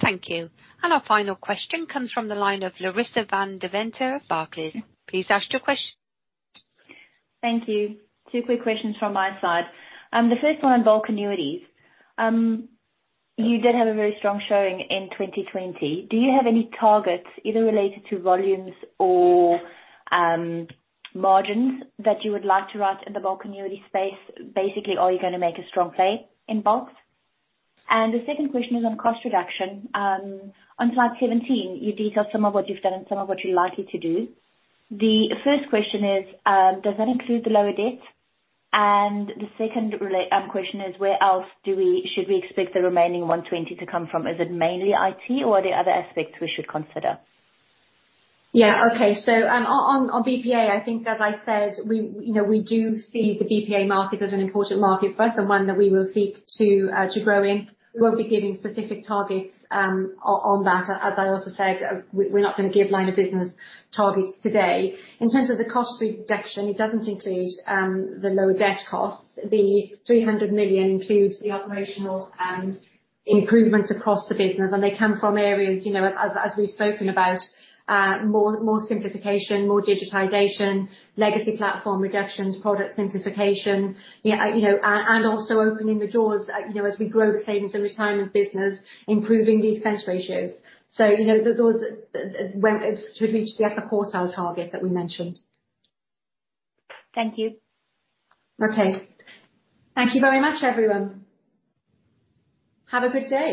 Thank you. Our final question comes from the line of Larissa van Deventer of Barclays. Please ask your question. Thank you. 2 quick questions from my side. The first one on bulk annuities. You did have a very strong showing in 2020. Do you have any targets, either related to volumes or, margins, that you would like to write in the bulk annuity space? Basically, are you gonna make a strong play in bulk? And the second question is on cost reduction. On slide 17, you detailed some of what you've done and some of what you're likely to do. The first question is, does that include the lower debt? And the second question is, where else should we expect the remaining 120 million to come from? Is it mainly IT, or are there other aspects we should consider? Yeah. Okay. So, on BPA, I think, as I said, we, you know, we do see the BPA market as an important market for us, and one that we will seek to growing. We won't be giving specific targets on that. As I also said, we're not gonna give line of business targets today. In terms of the cost reduction, it doesn't include the lower debt costs. The 300 million includes the operational improvements across the business, and they come from areas, you know, as we've spoken about, more simplification, more digitization, legacy platform reductions, product simplification, yeah, you know, and also opening the doors, you know, as we grow the savings and retirement business, improving expense ratios. So, you know, those should reach the upper quartile target that we mentioned. Thank you. Okay. Thank you very much, everyone. Have a good day.